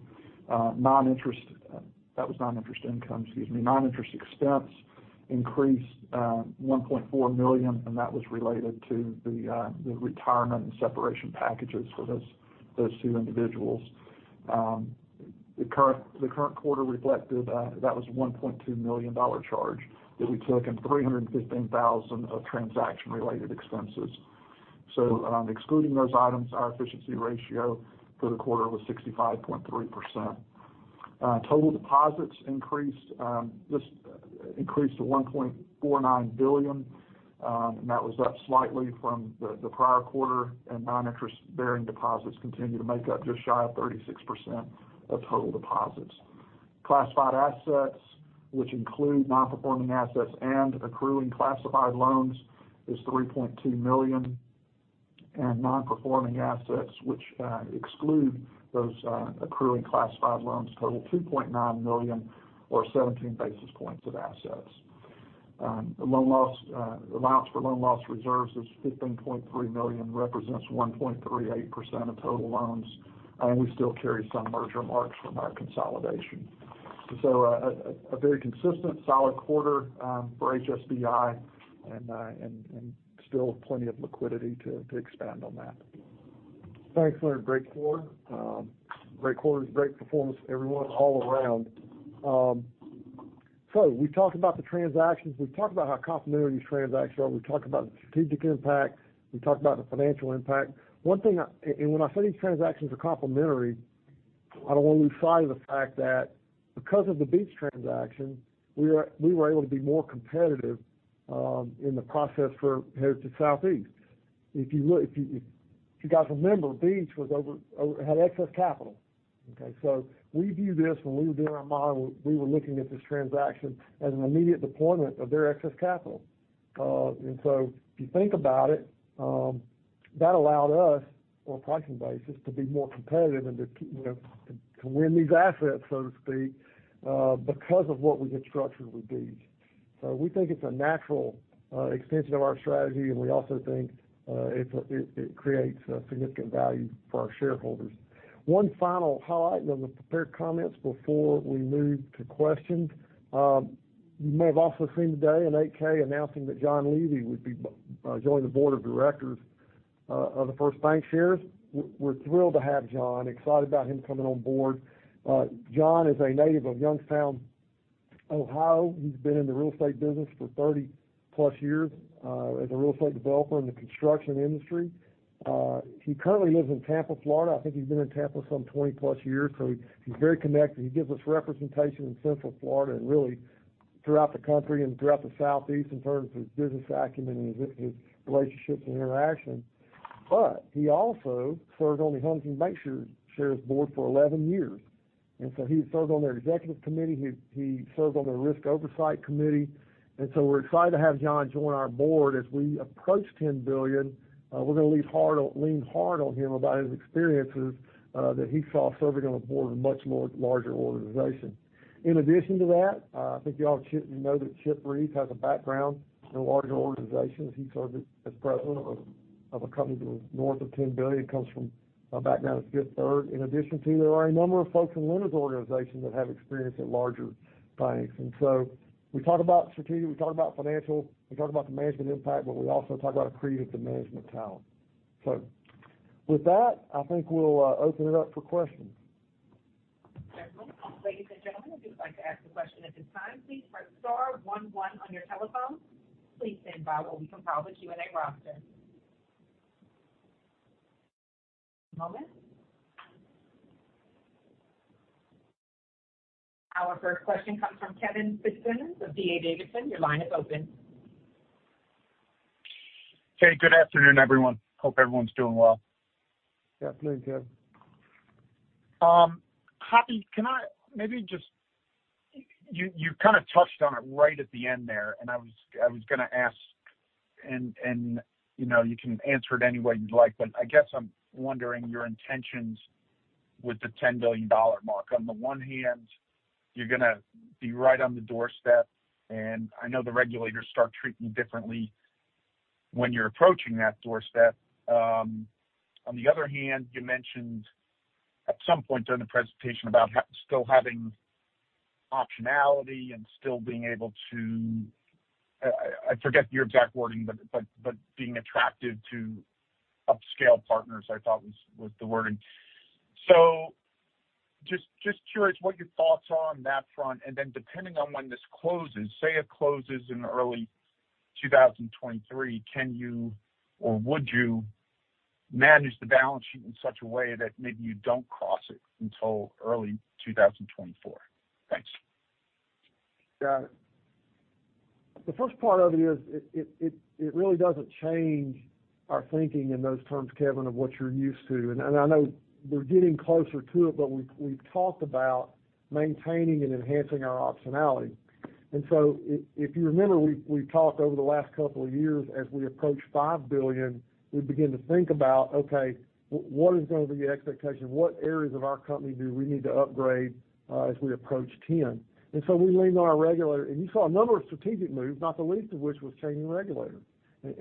That was non-interest income, excuse me. Non-interest expense increased $1.4 million, and that was related to the retirement and separation packages for those two individuals. The current quarter reflected that was $1.2 million charge that we took, and $315,000 of transaction-related expenses. Excluding those items, our efficiency ratio for the quarter was 65.3%. Total deposits increased to $1.49 billion, and that was up slightly from the prior quarter, and non-interest bearing deposits continue to make up just shy of 36% of total deposits. Classified assets, which include non-performing assets and accruing classified loans, is $3.2 million. Non-performing assets, which exclude those accruing classified loans, total $2.9 million or 17 basis points of assets. The loan loss allowance for loan loss reserves is $15.3 million, represents 1.38% of total loans, and we still carry some merger marks from our consolidation. A very consistent solid quarter for HSBI and still plenty of liquidity to expand on that. Thanks, Leonard. Great quarter. Great quarters, great performance, everyone, all around. We've talked about the transactions. We've talked about how complementary these transactions are. We've talked about the strategic impact. We've talked about the financial impact. When I say these transactions are complementary, I don't want to lose sight of the fact that because of the Beach transaction, we were able to be more competitive in the process for Heritage Southeast. If you guys remember, Beach was overcapitalized, had excess capital, okay? We view this when we were doing our model, we were looking at this transaction as an immediate deployment of their excess capital. If you think about it, that allowed us on a pricing basis to be more competitive and to, you know, to win these assets, so to speak, because of what we had structured with these. We think it's a natural extension of our strategy, and we also think it creates a significant value for our shareholders. One final highlight in the prepared comments before we move to questions. You may have also seen today an 8-K announcing that John Levy would be joining the board of directors of The First Bancshares. We're thrilled to have John, excited about him coming on board. John is a native of Youngstown, Ohio. He's been in the real estate business for 30+ years, as a real estate developer in the construction industry. He currently lives in Tampa, Florida. I think he's been in Tampa some 20+ years, so he's very connected. He gives us representation in Central Florida and really throughout the country and throughout the Southeast in terms of his business acumen and his relationships and interaction. He also served on the Huntington Bancshares board for 11 years, and so he served on their executive committee. He served on their risk oversight committee. We're excited to have John join our board. As we approach $10 billion, we're gonna lean hard on him about his experiences that he saw serving on a board of a much more larger organization. In addition to that, I think you all, Chip, know that Chip Reeves has a background in larger organizations. He served as president of a company that was north of $10 billion, comes from a background at Fifth Third. There are a number of folks in Leonard's organization that have experience at larger banks. We talk about strategic, we talk about financial, we talk about the management impact, but we also talk about accretive to management talent. With that, I think we'll open it up for questions. Ladies and gentlemen, if you'd like to ask a question at this time, please press star one one on your telephone. Please stand by while we compile the Q&A roster. One moment. Our first question comes from Kevin Fitzsimmons of D.A. Davidson. Your line is open. Okay, good afternoon, everyone. Hope everyone's doing well. Good afternoon, Kevin. Hoppy, can I maybe just. You kinda touched on it right at the end there, and I was gonna ask, and you know, you can answer it any way you'd like, but I guess I'm wondering your intentions with the $10 billion mark. On the one hand, you're gonna be right on the doorstep, and I know the regulators start treating you differently when you're approaching that doorstep. On the other hand, you mentioned at some point during the presentation about still having optionality and still being able to, I forget your exact wording, but being attractive to upscale partners, I thought was the wording. Just curious what your thoughts are on that front. Depending on when this closes, say it closes in early 2023, can you or would you manage the balance sheet in such a way that maybe you don't cross it until early 2024? Thanks. Yeah. The first part of it is it really doesn't change our thinking in those terms, Kevin, of what you're used to. I know we're getting closer to it, but we've talked about maintaining and enhancing our optionality. If you remember, we talked over the last couple of years as we approached $5 billion, we begin to think about, okay, what is going to be the expectation? What areas of our company do we need to upgrade as we approach $10 billion? We leaned on our regulator, and you saw a number of strategic moves, not the least of which was changing regulators.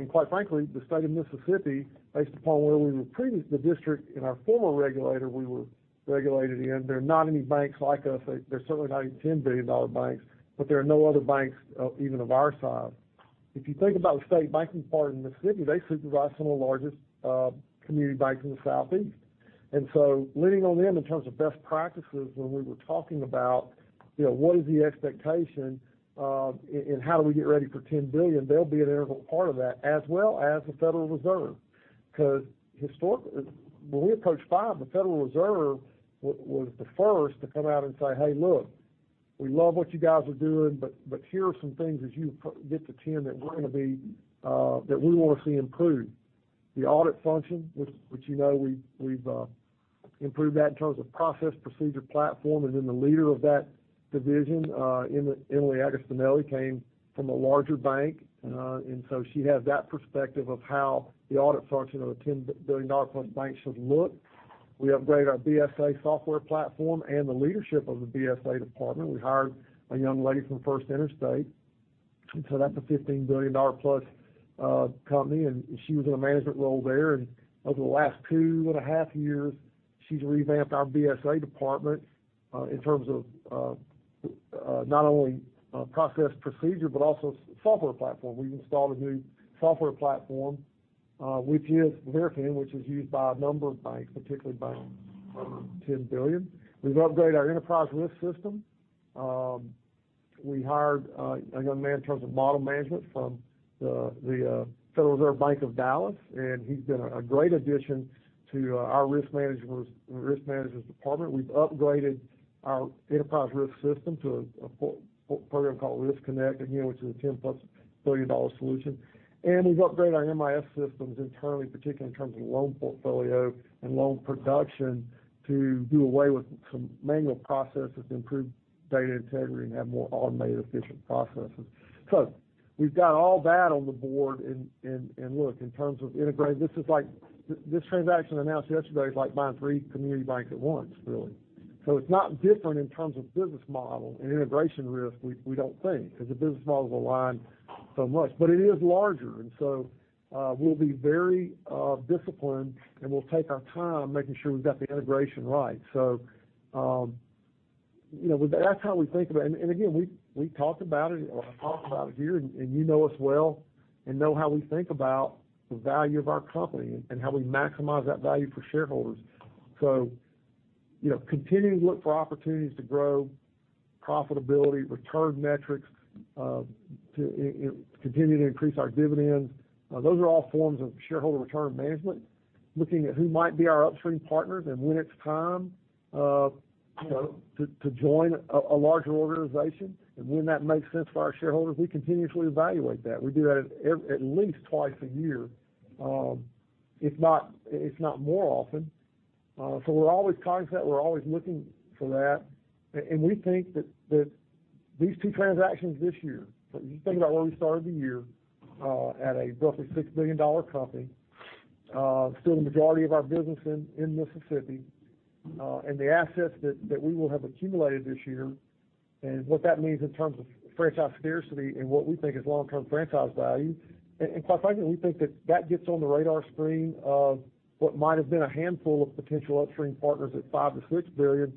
Quite frankly, the state of Mississippi, based upon where we were the district and our former regulator, we were regulated in, there are not any banks like us. There's certainly not any $10 billion banks, but there are no other banks, even of our size. If you think about the state banking part in Mississippi, they supervise some of the largest community banks in the Southeast. Leaning on them in terms of best practices when we were talking about, you know, what is the expectation and how do we get ready for $10 billion, they'll be an integral part of that as well as the Federal Reserve. 'Cause historically, when we approached $5 billion, the Federal Reserve was the first to come out and say, "Hey, look, we love what you guys are doing, but here are some things as you get to $10 billion that we want to see improved." The audit function, which you know, we've improved that in terms of process, procedure, platform, and then the leader of that division, Emily Agostinelli, came from a larger bank, and so she has that perspective of how the audit function of a $10 billion+ bank should look. We upgraded our BSA software platform and the leadership of the BSA department. We hired a young lady from First Interstate Bank, and so that's a $15 billion+ company, and she was in a management role there. Over the last 2.5 years, she's revamped our BSA department in terms of not only processes, procedures, but also software platform. We've installed a new software platform, which is Verafin, which is used by a number of banks, particularly banks over $10 billion. We've upgraded our enterprise risk system. We hired a young man in terms of model management from the Federal Reserve Bank of Dallas, and he's been a great addition to our risk management department. We've upgraded our enterprise risk system to a program called Riskonnect, again, which is a $10+ billion-dollar solution. We've upgraded our MIS systems internally, particularly in terms of loan portfolio and loan production, to do away with some manual processes to improve data integrity and have more automated efficient processes. We've got all that on the board. Look, in terms of integrating, this transaction announced yesterday is like buying three community banks at once, really. It's not different in terms of business model and integration risk, we don't think, because the business models align so much, but it is larger. We'll be very disciplined, and we'll take our time making sure we've got the integration right. You know, that's how we think about it. Again, we talked about it or I talked about it here, you know us well and know how we think about the value of our company and how we maximize that value for shareholders. You know, continuing to look for opportunities to grow profitability, return metrics, to continue to increase our dividends. Those are all forms of shareholder return management. Looking at who might be our upstream partners and when it's time, you know, to join a larger organization and when that makes sense for our shareholders, we continuously evaluate that. We do that at least twice a year, if not more often. We're always cognizant. We're always looking for that. We think that these two transactions this year, if you think about where we started the year, at a roughly $6 billion company, still the majority of our business in Mississippi, and the assets that we will have accumulated this year and what that means in terms of franchise scarcity and what we think is long-term franchise value. Quite frankly, we think that gets on the radar screen of what might have been a handful of potential upstream partners at $5 billion-$6 billion.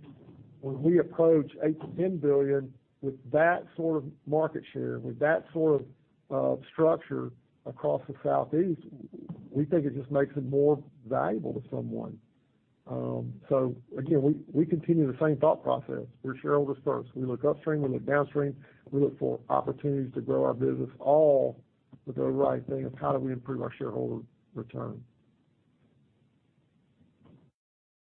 When we approach $8 billion-$10 billion with that sort of market share, with that sort of structure across the Southeast, we think it just makes it more valuable to someone. Again, we continue the same thought process. We're shareholders first. We look upstream, we look downstream. We look for opportunities to grow our business, all with the overriding thing of how do we improve our shareholder return.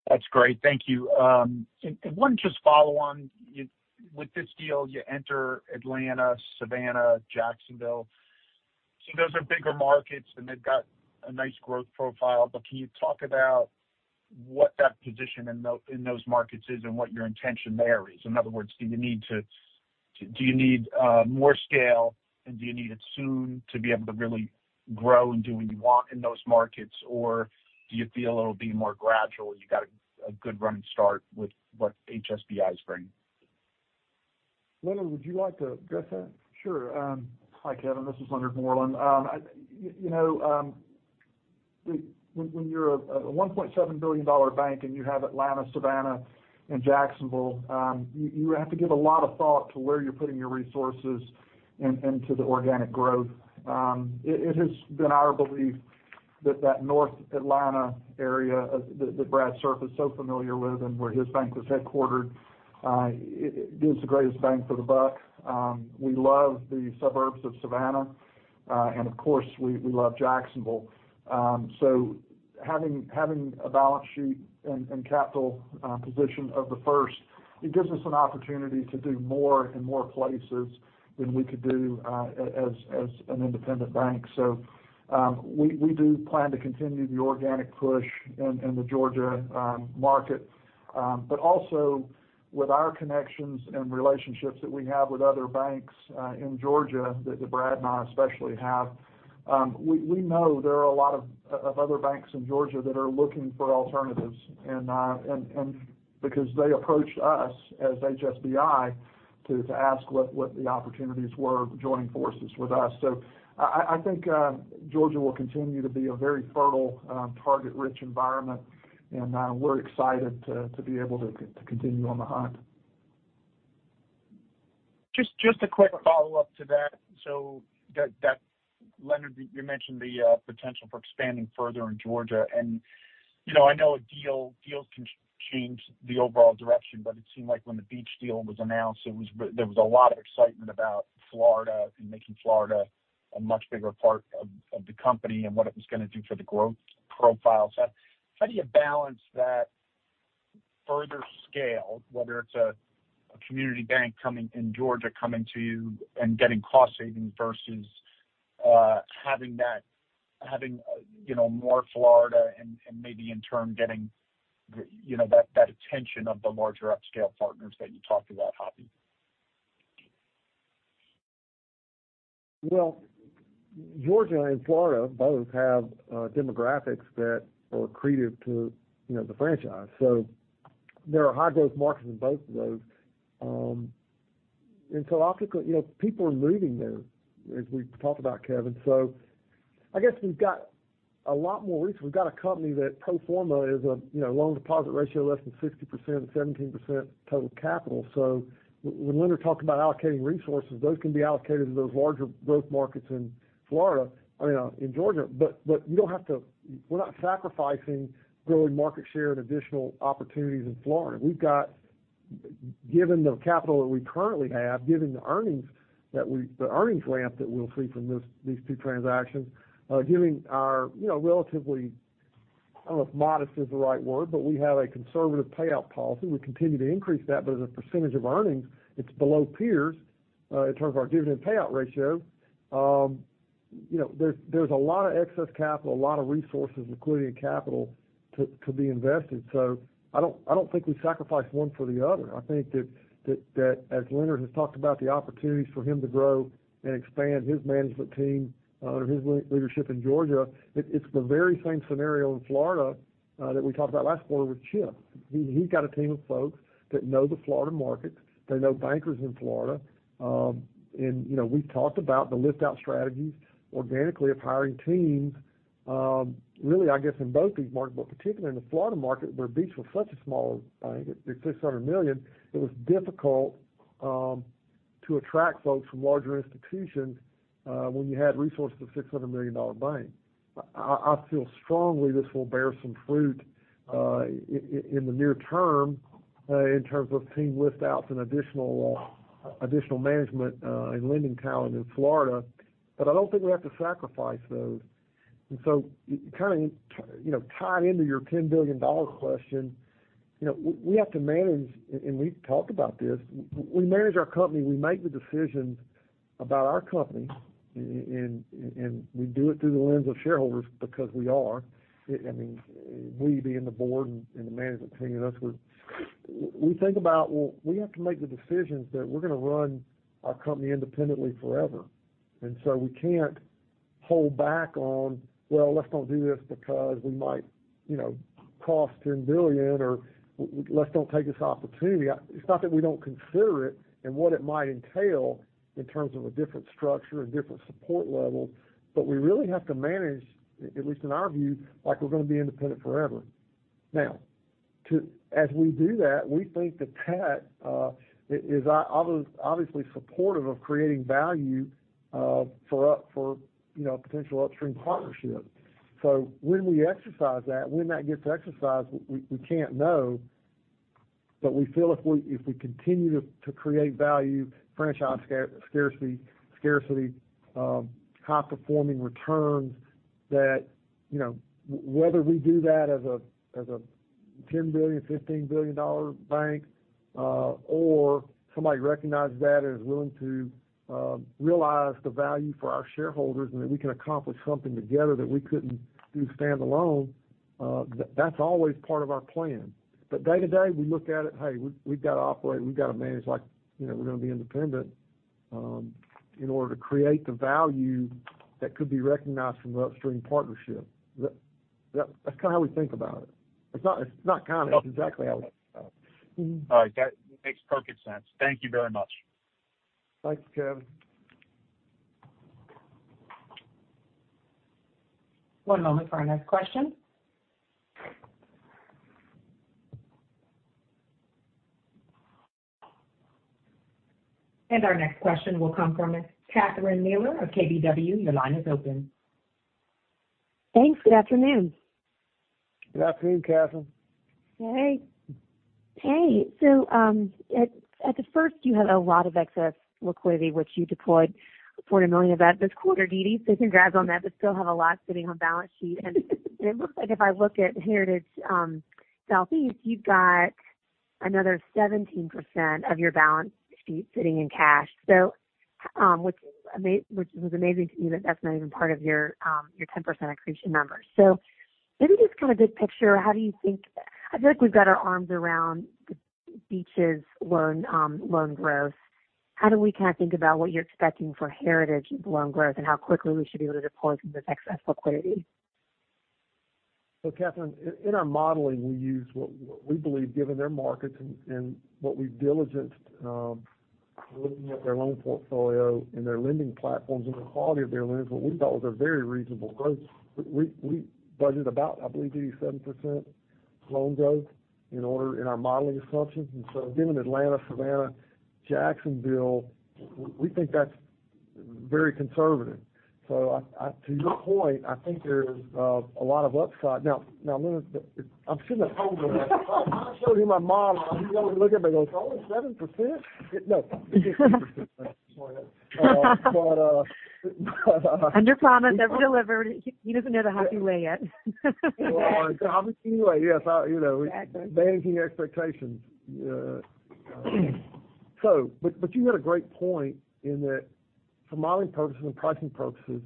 That's great. Thank you. And one just follow on. With this deal, you enter Atlanta, Savannah, Jacksonville. So those are bigger markets, and they've got a nice growth profile. But can you talk about what that position in those markets is and what your intention there is? In other words, do you need more scale, and do you need it soon to be able to really grow and do what you want in those markets? Or do you feel it'll be more gradual, you got a good running start with what HSBI is bringing? Leonard, would you like to address that? Sure. Hi, Kevin. This is Leonard Moreland. You know, when you're a $1.7 billion bank and you have Atlanta, Savannah and Jacksonville, you have to give a lot of thought to where you're putting your resources into the organic growth. It has been our belief that that North Atlanta area that Brad Serff is so familiar with and where his bank was headquartered gives the greatest bang for the buck. We love the suburbs of Savannah. And of course, we love Jacksonville. So having a balance sheet and capital position of The First, it gives us an opportunity to do more in more places than we could do as an independent bank. We do plan to continue the organic push in the Georgia market, but also with our connections and relationships that we have with other banks in Georgia that Brad and I especially have. We know there are a lot of other banks in Georgia that are looking for alternatives. Because they approached us as HSBI to ask what the opportunities were of joining forces with us. I think Georgia will continue to be a very fertile target-rich environment, and we're excited to be able to continue on the hunt. Just a quick follow-up to that. Leonard, you mentioned the potential for expanding further in Georgia. You know, I know deals can change the overall direction, but it seemed like when the Beach deal was announced, there was a lot of excitement about Florida and making Florida a much bigger part of the company and what it was going to do for the growth profile. How do you balance that further scale, whether it's a community bank coming in Georgia coming to you and getting cost savings versus having that, you know, more Florida and maybe in turn getting the, you know, that attention of the larger upscale partners that you talked about, Hoppy? Well, Georgia and Florida both have demographics that are accretive to, you know, the franchise. There are high-growth markets in both of those. Obviously, you know, people are moving there, as we've talked about, Kevin. I guess we've got a lot more reach. We've got a company that pro forma is a, you know, loan deposit ratio less than 60%, 17% total capital. When Leonard talked about allocating resources, those can be allocated to those larger growth markets in Florida, I mean, in Georgia. But you don't have to, we're not sacrificing growing market share and additional opportunities in Florida. We've got, given the capital that we currently have, given the earnings ramp that we'll see from these two transactions, given our, you know, relatively. I don't know if modest is the right word, but we have a conservative payout policy. We continue to increase that, but as a percentage of earnings, it's below peers, in terms of our dividend payout ratio. You know, there's a lot of excess capital, a lot of resources, liquidity and capital to be invested. I don't think we sacrifice one for the other. I think that as Leonard has talked about the opportunities for him to grow and expand his management team, under his leadership in Georgia, it's the very same scenario in Florida, that we talked about last quarter with Chip. He's got a team of folks that know the Florida market. They know bankers in Florida. You know, we've talked about the lift-out strategies organically of hiring teams, really, I guess, in both these markets, but particularly in the Florida market, where Beach was such a small bank at $600 million, it was difficult to attract folks from larger institutions, when you had resources of $600 million dollar bank. I feel strongly this will bear some fruit, in the near term, in terms of team lift-outs and additional management and lending talent in Florida. But I don't think we have to sacrifice those. Kind of, you know, tying into your $10 billion dollar question, you know, we have to manage. We've talked about this. We manage our company. We make the decisions about our company, and we do it through the lens of shareholders because we are. I mean, we being the board and the management team, that's who. We think about, well, we have to make the decisions that we're going to run our company independently forever. We can't hold back on, well, let's not do this because we might, you know, cost $10 billion, or let's don't take this opportunity. It's not that we don't consider it and what it might entail in terms of a different structure, a different support level, but we really have to manage, at least in our view, like we're going to be independent forever. Now, as we do that, we think that is obviously supportive of creating value for, you know, potential upstream partnership. When we exercise that, when that gets exercised, we can't know. We feel if we continue to create value, franchise scarcity, high-performing returns that, you know, whether we do that as a $10 billion, $15 billion bank, or somebody recognizes that and is willing to realize the value for our shareholders and that we can accomplish something together that we couldn't do standalone, that's always part of our plan. Day-to-day, we look at it, hey, we've got to operate, we've got to manage like, you know, we're going to be independent, in order to create the value that could be recognized from the upstream partnership. That's kind of how we think about it. It's not kind of, that's exactly how we think about it. All right. That makes perfect sense. Thank you very much. Thanks, Kevin. One moment for our next question. Our next question will come from Catherine Mealor of KBW. Your line is open. Thanks. Good afternoon. Good afternoon, Catherine. Hey, at The First, you had a lot of excess liquidity, which you deployed $40 million of that this quarter, Dede, congrats on that, but still have a lot sitting on balance sheet. It looks like if I look at Heritage Southeast, you've got another 17% of your balance sheet sitting in cash. Which was amazing to me that that's not even part of your 10% accretion number. Maybe just kind of big picture, how do you think, I feel like we've got our arms around Beach's loan growth. How do we kind of think about what you're expecting for Heritage loan growth and how quickly we should be able to deploy some of this excess liquidity? Catherine, in our modeling, we use what we believe, given their markets and looking at their loan portfolio and their lending platforms and the quality of their loans, what we thought was a very reasonable growth. We budget about, I believe, Dede, 7% loan growth in our modeling assumptions. Given Atlanta, Savannah, Jacksonville, we think that's very conservative. To your point, I think there's a lot of upside. Now, Leonard, I'm sitting here holding this. When I showed him my model, he looked at me and goes, "Only 7%?" No. Underpromise, overdeliver. He doesn't know the Hoppy way yet. Yes, you know, managing expectations. You had a great point in that for modeling purposes and pricing purposes,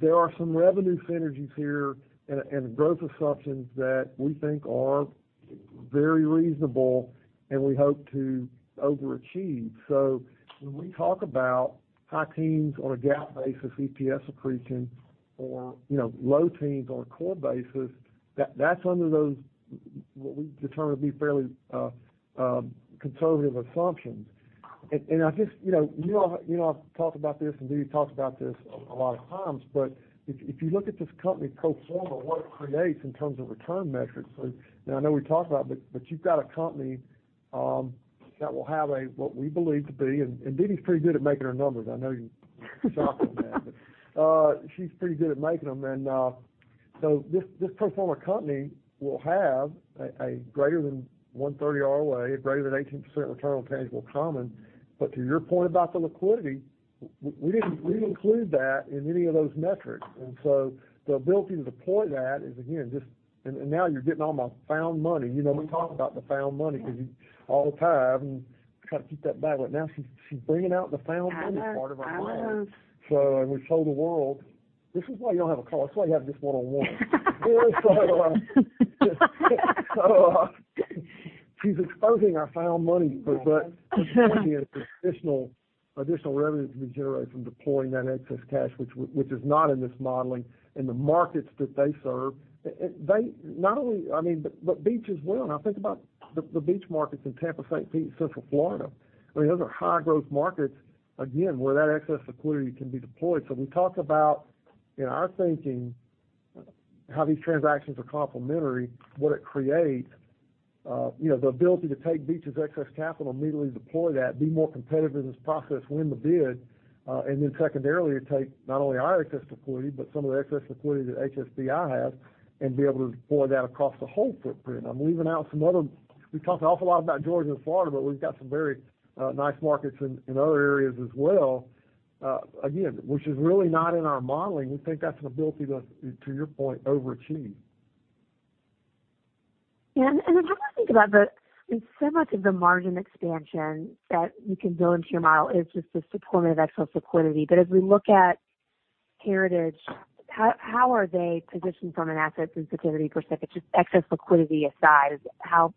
there are some revenue synergies here and growth assumptions that we think are very reasonable and we hope to overachieve. When we talk about high teens on a GAAP basis, EPS accretion or, you know, low teens on a core basis, that's under those, what we've determined to be fairly conservative assumptions. I just, you know, you all, you know, I've talked about this, and Dede talks about this a lot of times. If you look at this company pro forma, what it creates in terms of return metrics, and I know we talked about it, but you've got a company that will have a, what we believe to be, and Dede's pretty good at making her numbers. I know you're shocked at that. She's pretty good at making them. This pro forma company will have a greater than 1.30 ROA, greater than 18% return on tangible common. To your point about the liquidity, we didn't include that in any of those metrics. The ability to deploy that is again, just and now you're getting all my found money. You know me talking about the found money because you all the time, and try to keep that back, but now she's bringing out the found money part of our model. We've told the world, this is why you don't have a call. This is why you have this one-on-one. She's exposing our found money. There could be an additional revenue to be generated from deploying that excess cash, which is not in this modeling. In the markets that they serve, they not only I mean, but Beach as well, and I think about the Beach markets in Tampa, St. Pete, Central Florida. I mean, those are high growth markets, again, where that excess liquidity can be deployed. We talk about, in our thinking, how these transactions are complementary, what it creates, you know, the ability to take Beach's excess capital, immediately deploy that, be more competitive in this process, win the bid, and then secondarily take not only our excess liquidity, but some of the excess liquidity that HSBI has and be able to deploy that across the whole footprint. We talk an awful lot about Georgia and Florida, but we've got some very nice markets in other areas as well, again, which is really not in our modeling. We think that's an ability to your point, overachieve. I'm trying to think about and so much of the margin expansion that you can build into your model is just the deployment of excess liquidity. But as we look at Heritage, how are they positioned from an asset sensitivity perspective, just excess liquidity aside? How,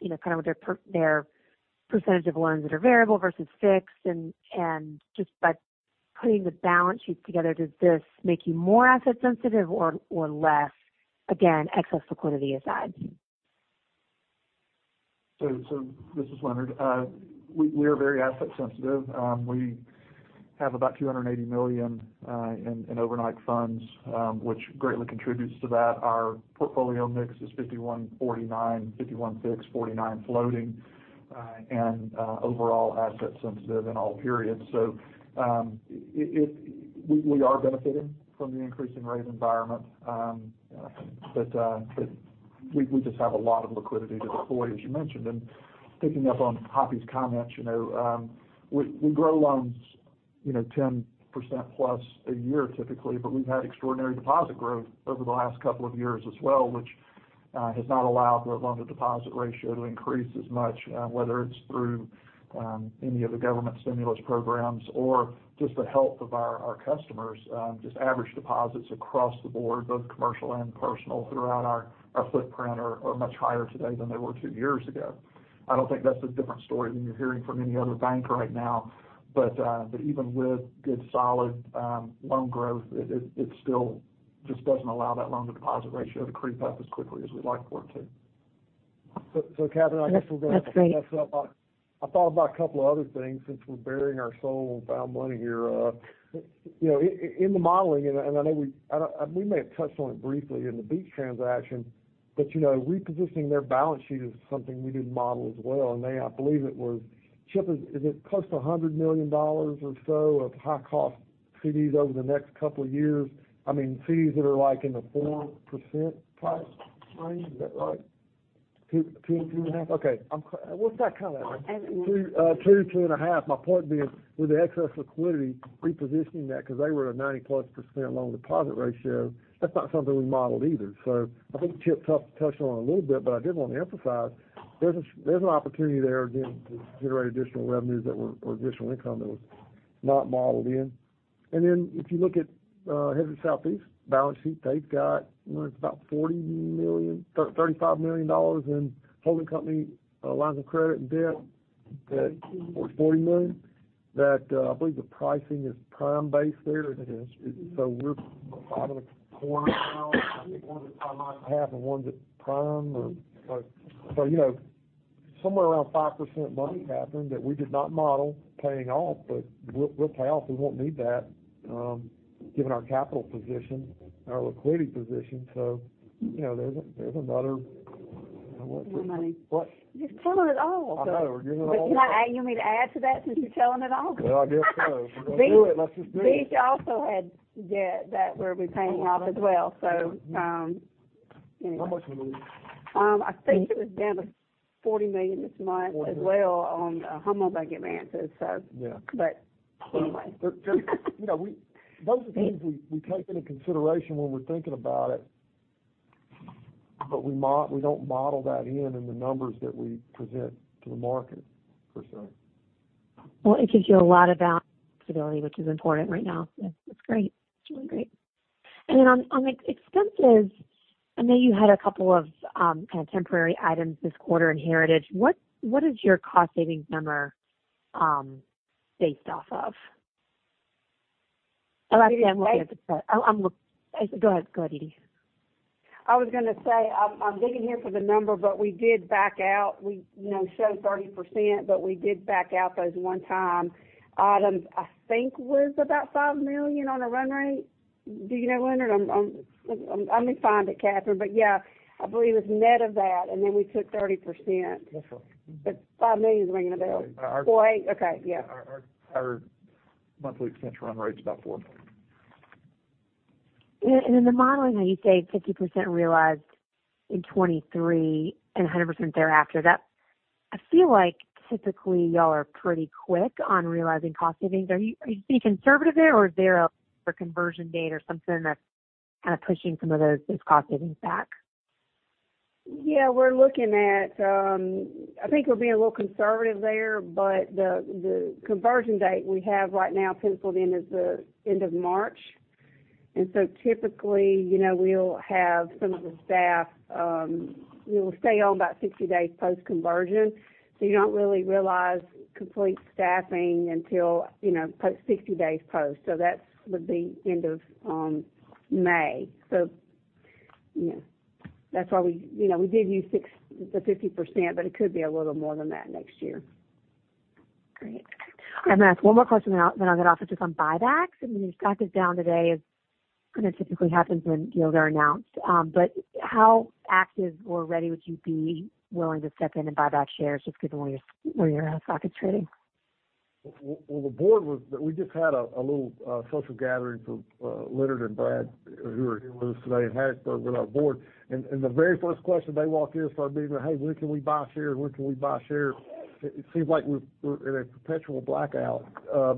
you know, kind of with their percentage of loans that are variable versus fixed, and just by putting the balance sheet together, does this make you more asset sensitive or less, again, excess liquidity aside? This is Leonard. We are very asset sensitive. We have about $280 million in overnight funds, which greatly contributes to that. Our portfolio mix is 51%, 49%, 51% fixed, 49% floating, and overall asset sensitive in all periods. We are benefiting from the increasing rate environment. We just have a lot of liquidity to deploy, as you mentioned. Picking up on Hoppy's comments, you know, we grow loans, you know, 10%+ a year typically, but we've had extraordinary deposit growth over the last couple of years as well, which has not allowed the loan to deposit ratio to increase as much, whether it's through any of the government stimulus programs or just the health of our customers. Just average deposits across the board, both commercial and personal, throughout our footprint are much higher today than they were two years ago. I don't think that's a different story than you're hearing from any other bank right now, but even with good solid loan growth, it still just doesn't allow that loan to deposit ratio to creep up as quickly as we'd like for it to. Catherine, I guess we're gonna have to mess up. I thought about a couple other things since we're baring our soul and found money here. You know, in the modeling, I know we may have touched on it briefly in the Beach transaction, but, you know, repositioning their balance sheet is something we didn't model as well. They, I believe, Chip, is it close to $100 million or so of high-cost CDs over the next couple of years? I mean, CDs that are like in the 4% price range. Is that right? 2.5%? Okay. What's that come out like? 2.5%. My point being, with the excess liquidity, repositioning that because they were at a 90%+ loan-to-deposit ratio, that's not something we modeled either. I think Chip touched on it a little bit, but I did want to emphasize there's an opportunity there, again, to generate additional revenues or additional income that was not modeled in. Then if you look at Heritage Southeast balance sheet, they've got you know it's about $40 million, $35 million in holding company lines of credit and debt or $40 million that I believe the pricing is prime-based there. We're borrowing more now. I think one is at 5.5 and one's at prime or, you know, somewhere around 5% money, Catherine, that we did not model paying off, but we'll pay off. We won't need that, given our capital position, our liquidity position. You know, there's another, you know, what's it? More money. What? Just telling it all. I know, we're giving it all away. You want me to add to that since you're telling it all? Well, I guess so. If we're gonna do it, let's just do it. Beach Bank also had debt that we'll be paying off as well. Anyway. How much money? I think it was down to $40 million this month as well on the FHLB advances. Yeah. Anyway. You know, we take into consideration when we're thinking about it, but we don't model that in the numbers that we present to the market, per se. Well, it gives you a lot of balance sheet stability, which is important right now. That's great. Great. Then on expenses, I know you had a couple of kind of temporary items this quarter in Heritage. What is your cost savings number, based off of? Go ahead, Dede. I was gonna say, I'm digging here for the number, but we did back out. We, you know, showed 30%, but we did back out those one-time items. I think it was about $5 million on a run rate. Do you know, Leonard? I'm, I can find it, Catherine. But yeah, I believe it was net of that, and then we took 30%. $5 million is ringing a bell. Our, our 48? Okay. Yeah. Our monthly expense run rate's about $4 million. In the modeling, how you say 50% realized in 2023 and 100% thereafter, that. I feel like typically y'all are pretty quick on realizing cost savings. Are you being conservative there or is there a conversion date or something that's kinda pushing some of those cost savings back? Yeah, we're looking at, I think we're being a little conservative there, but the conversion date we have right now penciled in is the end of March. Typically, you know, we'll have some of the staff, you know, stay on about 60 days post conversion. You don't really realize complete staffing until, you know, post 60 days. That would be end of May. You know, that's why we, you know, we did use the 50%, but it could be a little more than that next year. Great. I'm gonna ask one more question then I'll get off. Just on buybacks, I mean, the stock is down today as kinda typically happens when deals are announced. But how active or ready would you be willing to step in and buy back shares just given where your stock is trading? We just had a little social gathering for Leonard and Brad, who are here with us today in Hattiesburg, with our board. The very first question, they walked in and started saying, "Hey, when can we buy shares? When can we buy shares?" It seems like we're in a perpetual blackout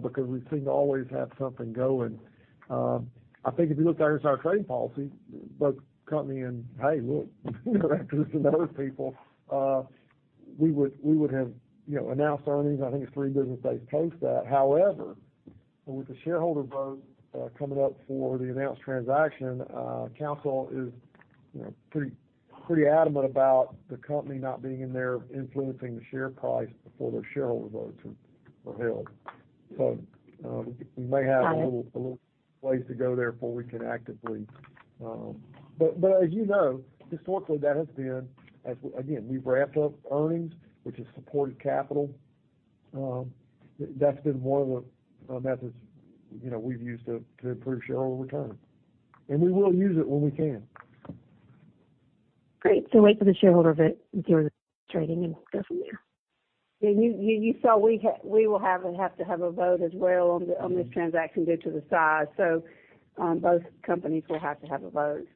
because we seem to always have something going. I think if you looked at our trading policy, both company and, you know, that includes some other people, we would have announced earnings, I think it's three business days post that. However, with the shareholder vote coming up for the announced transaction, counsel is pretty adamant about the company not being in there influencing the share price before their shareholder votes are held. We may have a little A little ways to go there before we can actively. As you know, historically, that has been. Again, we've ramped up earnings, which has supported capital. That's been one of the methods, you know, we've used to improve shareholder return. We will use it when we can. Great. Wait for the shareholder vote and see where the trading is and go from there. Yeah. You saw we will have to have a vote as well on this transaction due to the size. Both companies will have to have a vote.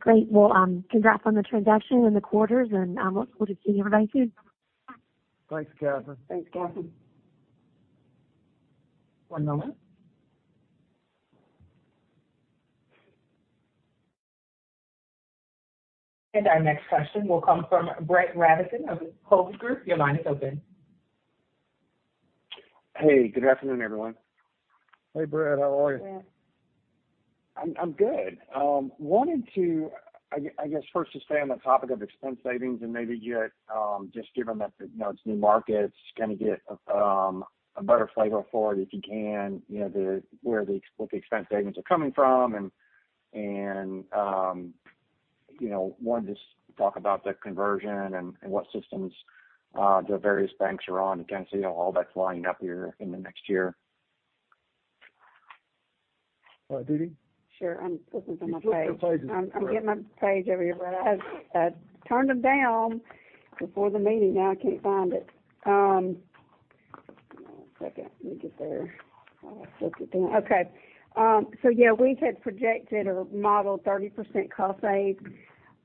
Great. Well, congrats on the transaction and the quarters, and we'll just see you everybody soon. Thanks, Catherine. Thanks, Catherine. One moment. Our next question will come from Brett Rabatin of Hovde Group. Your line is open. Hey, good afternoon, everyone. Hey, Brett. How are you? I'm good. Wanted to, I guess first to stay on the topic of expense savings and maybe get, just given that, you know, it's new markets, kinda get, a better flavor for it, if you can, you know, what the expense savings are coming from. Wanted to just talk about the conversion and what systems the various banks are on. You know, all that's lining up here in the next year. Dede? Sure. I'm looking for my page. She's looking for pages. I'm getting my page over here, Brett. I turned them down before the meeting. Now I can't find it. Give me one second. Let me get there. I looked at that. Okay. So yeah, we had projected or modeled 30% cost savings,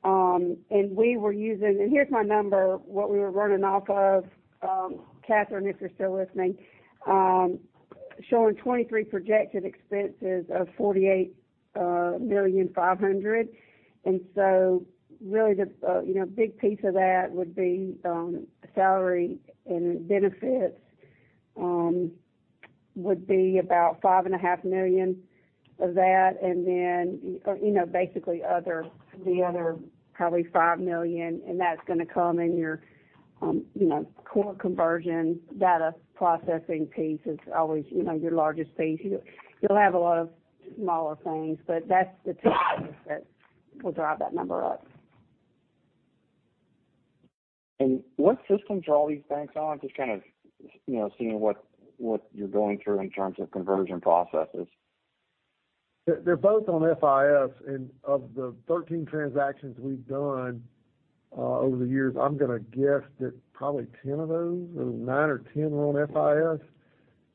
and we were using. Here's my number, what we were running off of, Catherine, if you're still listening, showing 2023 projected expenses of $48.5 million. Really the, you know, big piece of that would be salary and benefits would be about $5.5 million of that. Or, you know, basically other, the other probably $5 million, and that's gonna come in your, you know, core conversion, data processing piece is always, you know, your largest piece. You'll have a lot of smaller things, but that's the two items that will drive that number up. What systems are all these banks on? Just kind of, you know, seeing what you're going through in terms of conversion processes. They're both on FIS. Of the 13 transactions we've done over the years, I'm gonna guess that probably 10 of those, or nine or 10 were on FIS.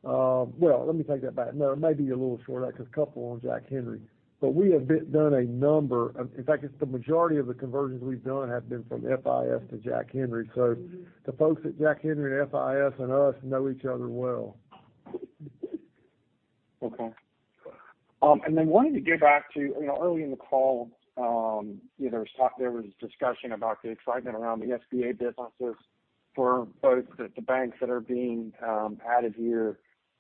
Well, let me take that back. No, it may be a little short because a couple were on Jack Henry. We have done a number of. In fact, it's the majority of the conversions we've done have been from FIS to Jack Henry. The folks at Jack Henry and FIS and us know each other well. Okay. Wanted to get back to, you know, early in the call, you know, there was discussion about the excitement around the SBA businesses for both the banks that are being added here.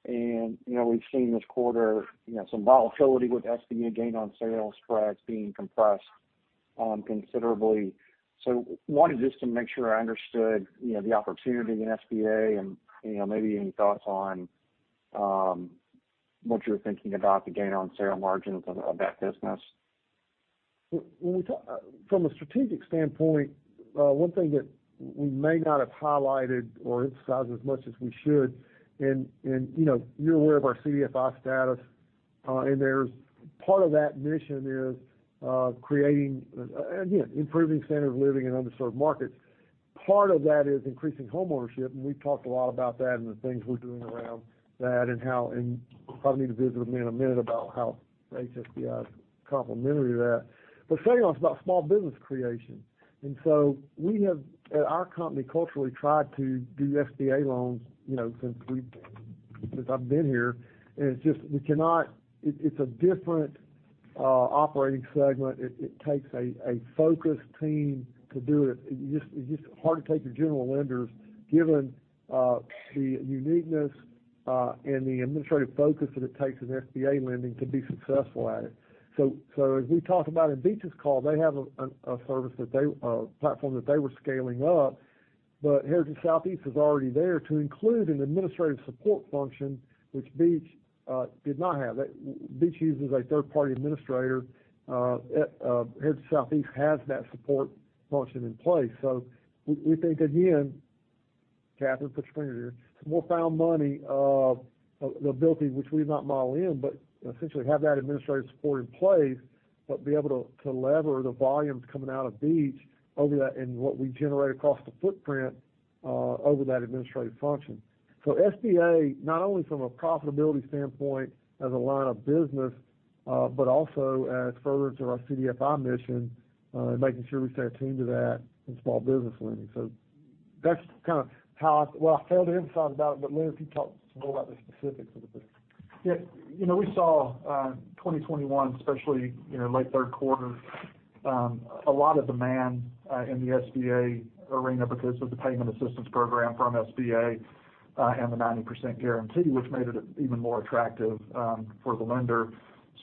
You know, we've seen this quarter, you know, some volatility with SBA gain on sales spreads being compressed considerably. Wanted just to make sure I understood, you know, the opportunity in SBA and, you know, maybe any thoughts on what you're thinking about the gain on sale margins of that business. From a strategic standpoint, one thing that we may not have highlighted or emphasized as much as we should, and, you know, you're aware of our CDFI status, and there's part of that mission is creating, again, improving standard of living in underserved markets. Part of that is increasing homeownership, and we've talked a lot about that and the things we're doing around that and how, and probably need to visit with me in a minute about how HSBI is complementary to that. Second one's about small business creation. We have, at our company, culturally tried to do SBA loans, you know, since I've been here, and it's just, we cannot, it's a different operating segment. It takes a focused team to do it. It's just hard to take your general lenders, given the uniqueness and the administrative focus that it takes in SBA lending to be successful at it. As we talked about in Beach's call, they have a platform that they were scaling up, but Heritage Southeast is already there to include an administrative support function, which Beach did not have. Beach uses a third-party administrator. Heritage Southeast has that support function in place. We think, again, Catherine put spring in here, more found money, the ability which we've not modeled in, but essentially have that administrative support in place, but be able to leverage the volumes coming out of Beach over that and what we generate across the footprint, over that administrative function. For SBA, not only from a profitability standpoint as a line of business, but also as further to our CDFI mission, making sure we stay attuned to that in small business lending. That's kind of well, I failed to emphasize about it, but Leonard, if you talk a little about the specifics of the business. Yeah. You know, we saw 2021, especially late Q3, a lot of demand in the SBA arena because of the payment assistance program from SBA and the 90% guarantee, which made it even more attractive for the lender.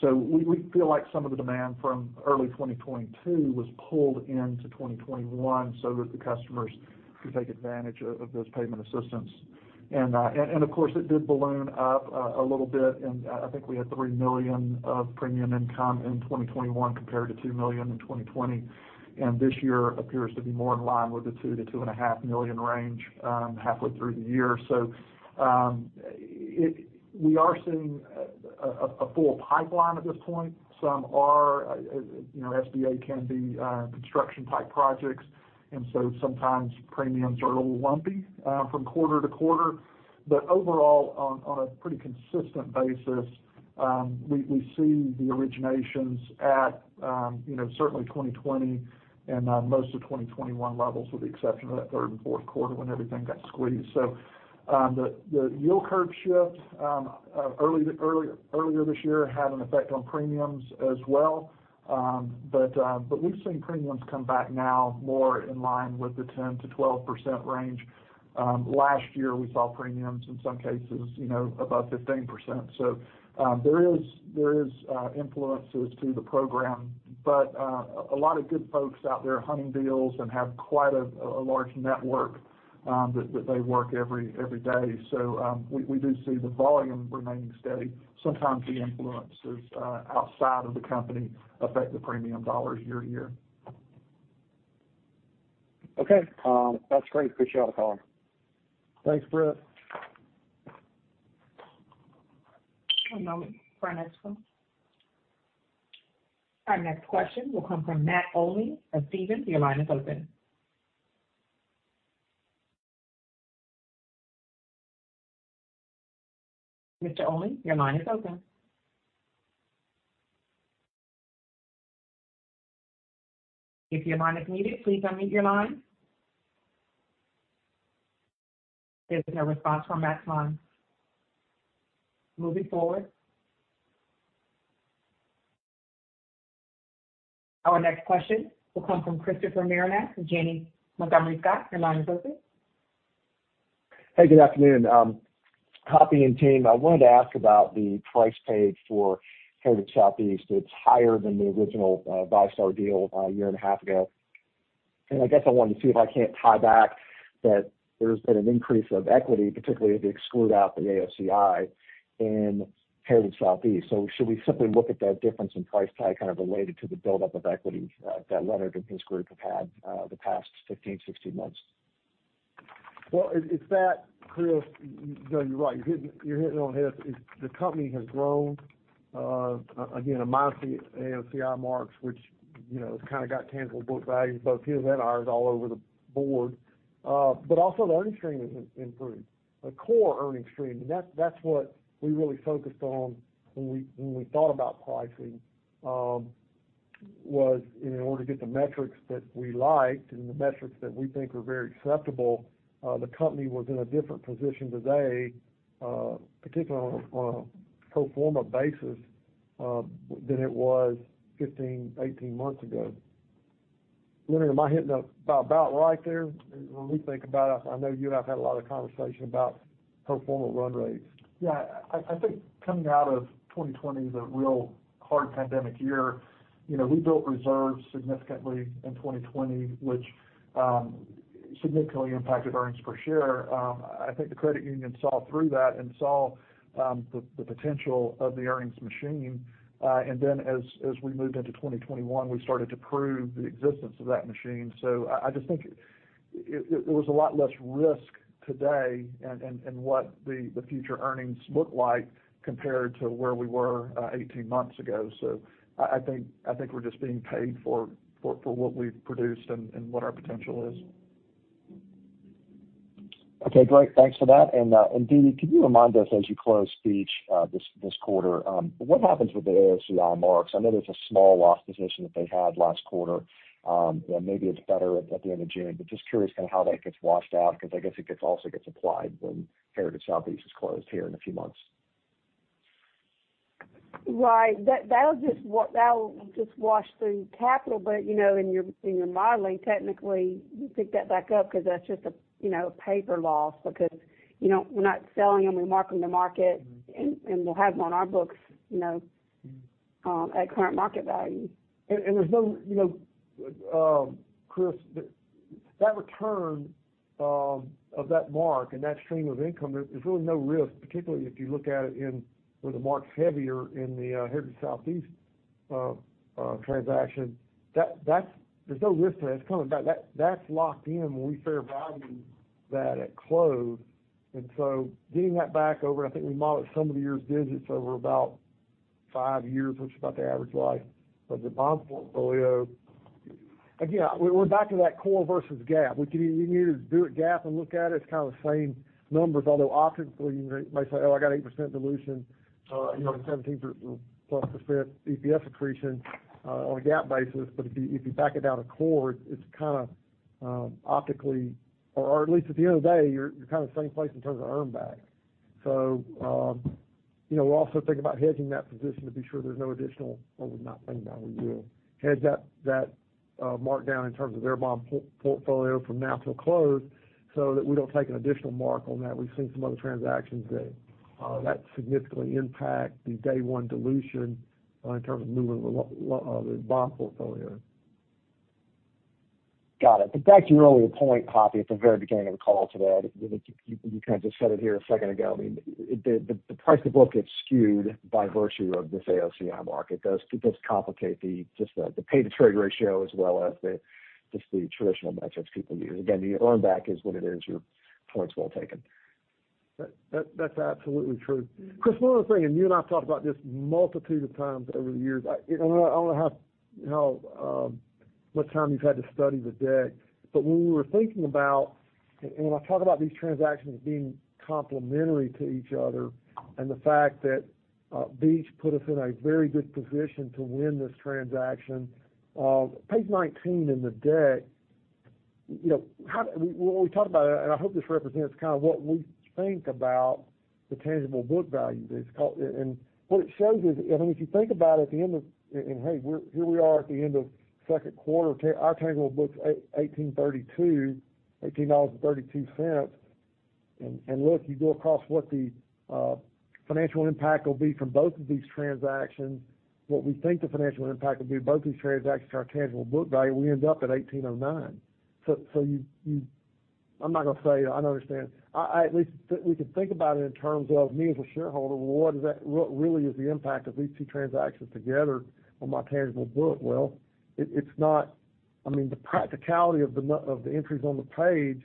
We feel like some of the demand from early 2022 was pulled into 2021 so that the customers could take advantage of those payment assistance. Of course, it did balloon up a little bit, and I think we had $3 million of premium income in 2021 compared to $2 million in 2020. This year appears to be more in line with the $2-$2.5 million range halfway through the year. We are seeing a full pipeline at this point. Some are, you know, SBA can be construction-type projects, and so sometimes premiums are a little lumpy from quarter to quarter. But overall, on a pretty consistent basis, we see the originations at, you know, certainly 2020 and most of 2021 levels, with the exception of that third and Q4 when everything got squeezed. The yield curve shift earlier this year had an effect on premiums as well. But we've seen premiums come back now more in line with the 10%-12% range. Last year, we saw premiums in some cases, you know, above 15%. There is influences to the program, but a lot of good folks out there hunting deals and have quite a large network that they work every day. We do see the volume remaining steady. Sometimes the influences outside of the company affect the premium dollars year-to-year. Okay. That's great. Appreciate y'all calling. Thanks, Brett. One moment for our next one. Our next question will come from Matt Olney of Stephens. Your line is open. Mr. Olney, your line is open. If your line is muted, please unmute your line. There's been no response from Matt's line. Moving forward. Our next question will come from Christopher Marinac from Janney Montgomery Scott. Your line is open. Hey, good afternoon. Hoppy and team, I wanted to ask about the price paid for Heritage Southeast. It's higher than the original VyStar deal a year and a half ago. I guess I wanted to see if I can't tie back that there's been an increase of equity, particularly if you exclude out the AOCI in Heritage Southeast. Should we simply look at that difference in price tied kind of related to the buildup of equity that Leonard and his group have had the past 15, 16 months? It's that, Chris, you know, you're right. You're hitting the nail on the head. The company has grown again, minus the AOCI marks, which has kind of got tangible book value, both its and ours all over the board. But also the earnings stream has improved, the core earnings stream. That's what we really focused on when we thought about pricing was in order to get the metrics that we liked and the metrics that we think were very acceptable, the company was in a different position today, particularly on a pro forma basis, than it was 15, 18 months ago. Leonard, am I hitting it about right there when we think about it? I know you and I have had a lot of conversation about pro forma run rates. Yeah. I think coming out of 2020, the real hard pandemic year, you know, we built reserves significantly in 2020, which significantly impacted earnings per share. I think the acquirer saw through that and saw the potential of the earnings machine. As we moved into 2021, we started to prove the existence of that machine. I just think it was a lot less risk today and what the future earnings look like compared to where we were 18 months ago. I think we're just being paid for what we've produced and what our potential is. Okay, great. Thanks for that. Dede, could you remind us as you close Beach this quarter what happens with the AOCI marks? I know there's a small loss position that they had last quarter and maybe it's better at the end of June. But just curious kinda how that gets washed out, because I guess it also gets applied when Heritage Southeast is closed here in a few months. Right. That'll just wash through capital. But you know, in your modeling, technically, you pick that back up because that's just a, you know, a paper loss because you know, we're not selling them, we mark them to market. We'll have them on our books, you know, at current market value. There's no, you know, Chris, that return of that mark and that stream of income. There's really no risk, particularly if you look at it, where the mark's heavier in the Heritage Southeast transaction. There's no risk there. It's kind of that. That's locked in when we fair value that at close. Getting that back over, I think we modeled some of the year's digits over about five years, which is about the average life of the bond portfolio. Again, we're back to that core versus GAAP. We can either do it GAAP and look at it's kind of the same numbers, although optically you may say, "Oh, I got 8% dilution, you know, 17%+ EPS accretion on a GAAP basis." If you back it down to core, it's kind of optically, or at least at the end of the day, you're kind of the same place in terms of earn back. You know, we'll also think about hedging that position to be sure there's no additional, or we're not thinking about. We will hedge that markdown in terms of their bond portfolio from now till close, so that we don't take an additional mark on that. We've seen some other transactions that significantly impact the day one dilution in terms of moving the bond portfolio. Got it. Back to your earlier point, Hoppy, at the very beginning of the call today, you kind of just said it here a second ago. I mean, the price to book gets skewed by virtue of this AOCI mark. It does complicate just the P/T ratio as well as just the traditional metrics people use. Again, the earn back is what it is. Your point's well taken. That's absolutely true. Chris, one other thing, you and I have talked about this multitude of times over the years. You know, I don't know how much time you've had to study the deck, but when I talk about these transactions as being complementary to each other and the fact that Beach put us in a very good position to win this transaction. Page 19 in the deck, you know. We, when we talk about it, I hope this represents kind of what we think about the tangible book value that's called. And what it shows is, I mean, if you think about it, hey, here we are at the end of Q2, our tangible book is $18.32. Look, you go across what the financial impact will be from both of these transactions, what we think the financial impact will be of both of these transactions to our tangible book value, we end up at $18.09. I'm not gonna say, I understand. At least we can think about it in terms of me as a shareholder, well, what is that, what really is the impact of these two transactions together on my tangible book? Well, it's not. I mean, the practicality of the entries on the page,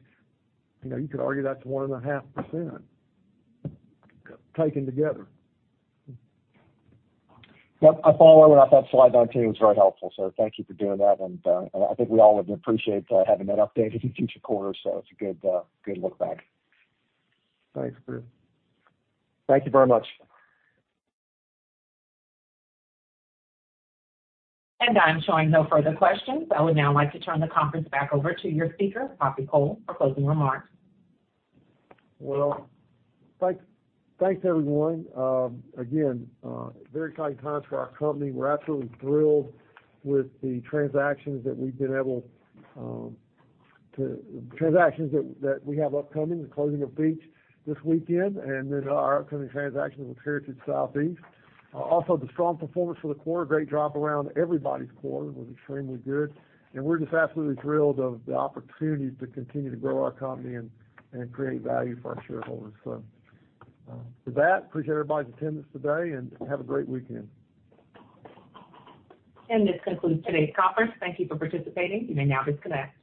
you know, you could argue that's 1.5% taken together. Yep. A follow-up on that Slide 19 was very helpful, so thank you for doing that. I think we all would appreciate having that updated in future quarters, so it's a good look back. Thanks, Chris. Thank you very much. I'm showing no further questions. I would now like to turn the conference back over to your speaker, Hoppy Cole, for closing remarks. Well, thanks, everyone. Again, very exciting times for our company. We're absolutely thrilled with the transactions that we've been able to. Transactions that we have upcoming, the closing of Beach Bank this weekend, and then our upcoming transactions with Heritage Southeast Bank. Also the strong performance for the quarter, great job around everybody's quarter was extremely good. We're just absolutely thrilled of the opportunity to continue to grow our company and create value for our shareholders. With that, appreciate everybody's attendance today, and have a great weekend. This concludes today's conference. Thank you for participating. You may now disconnect.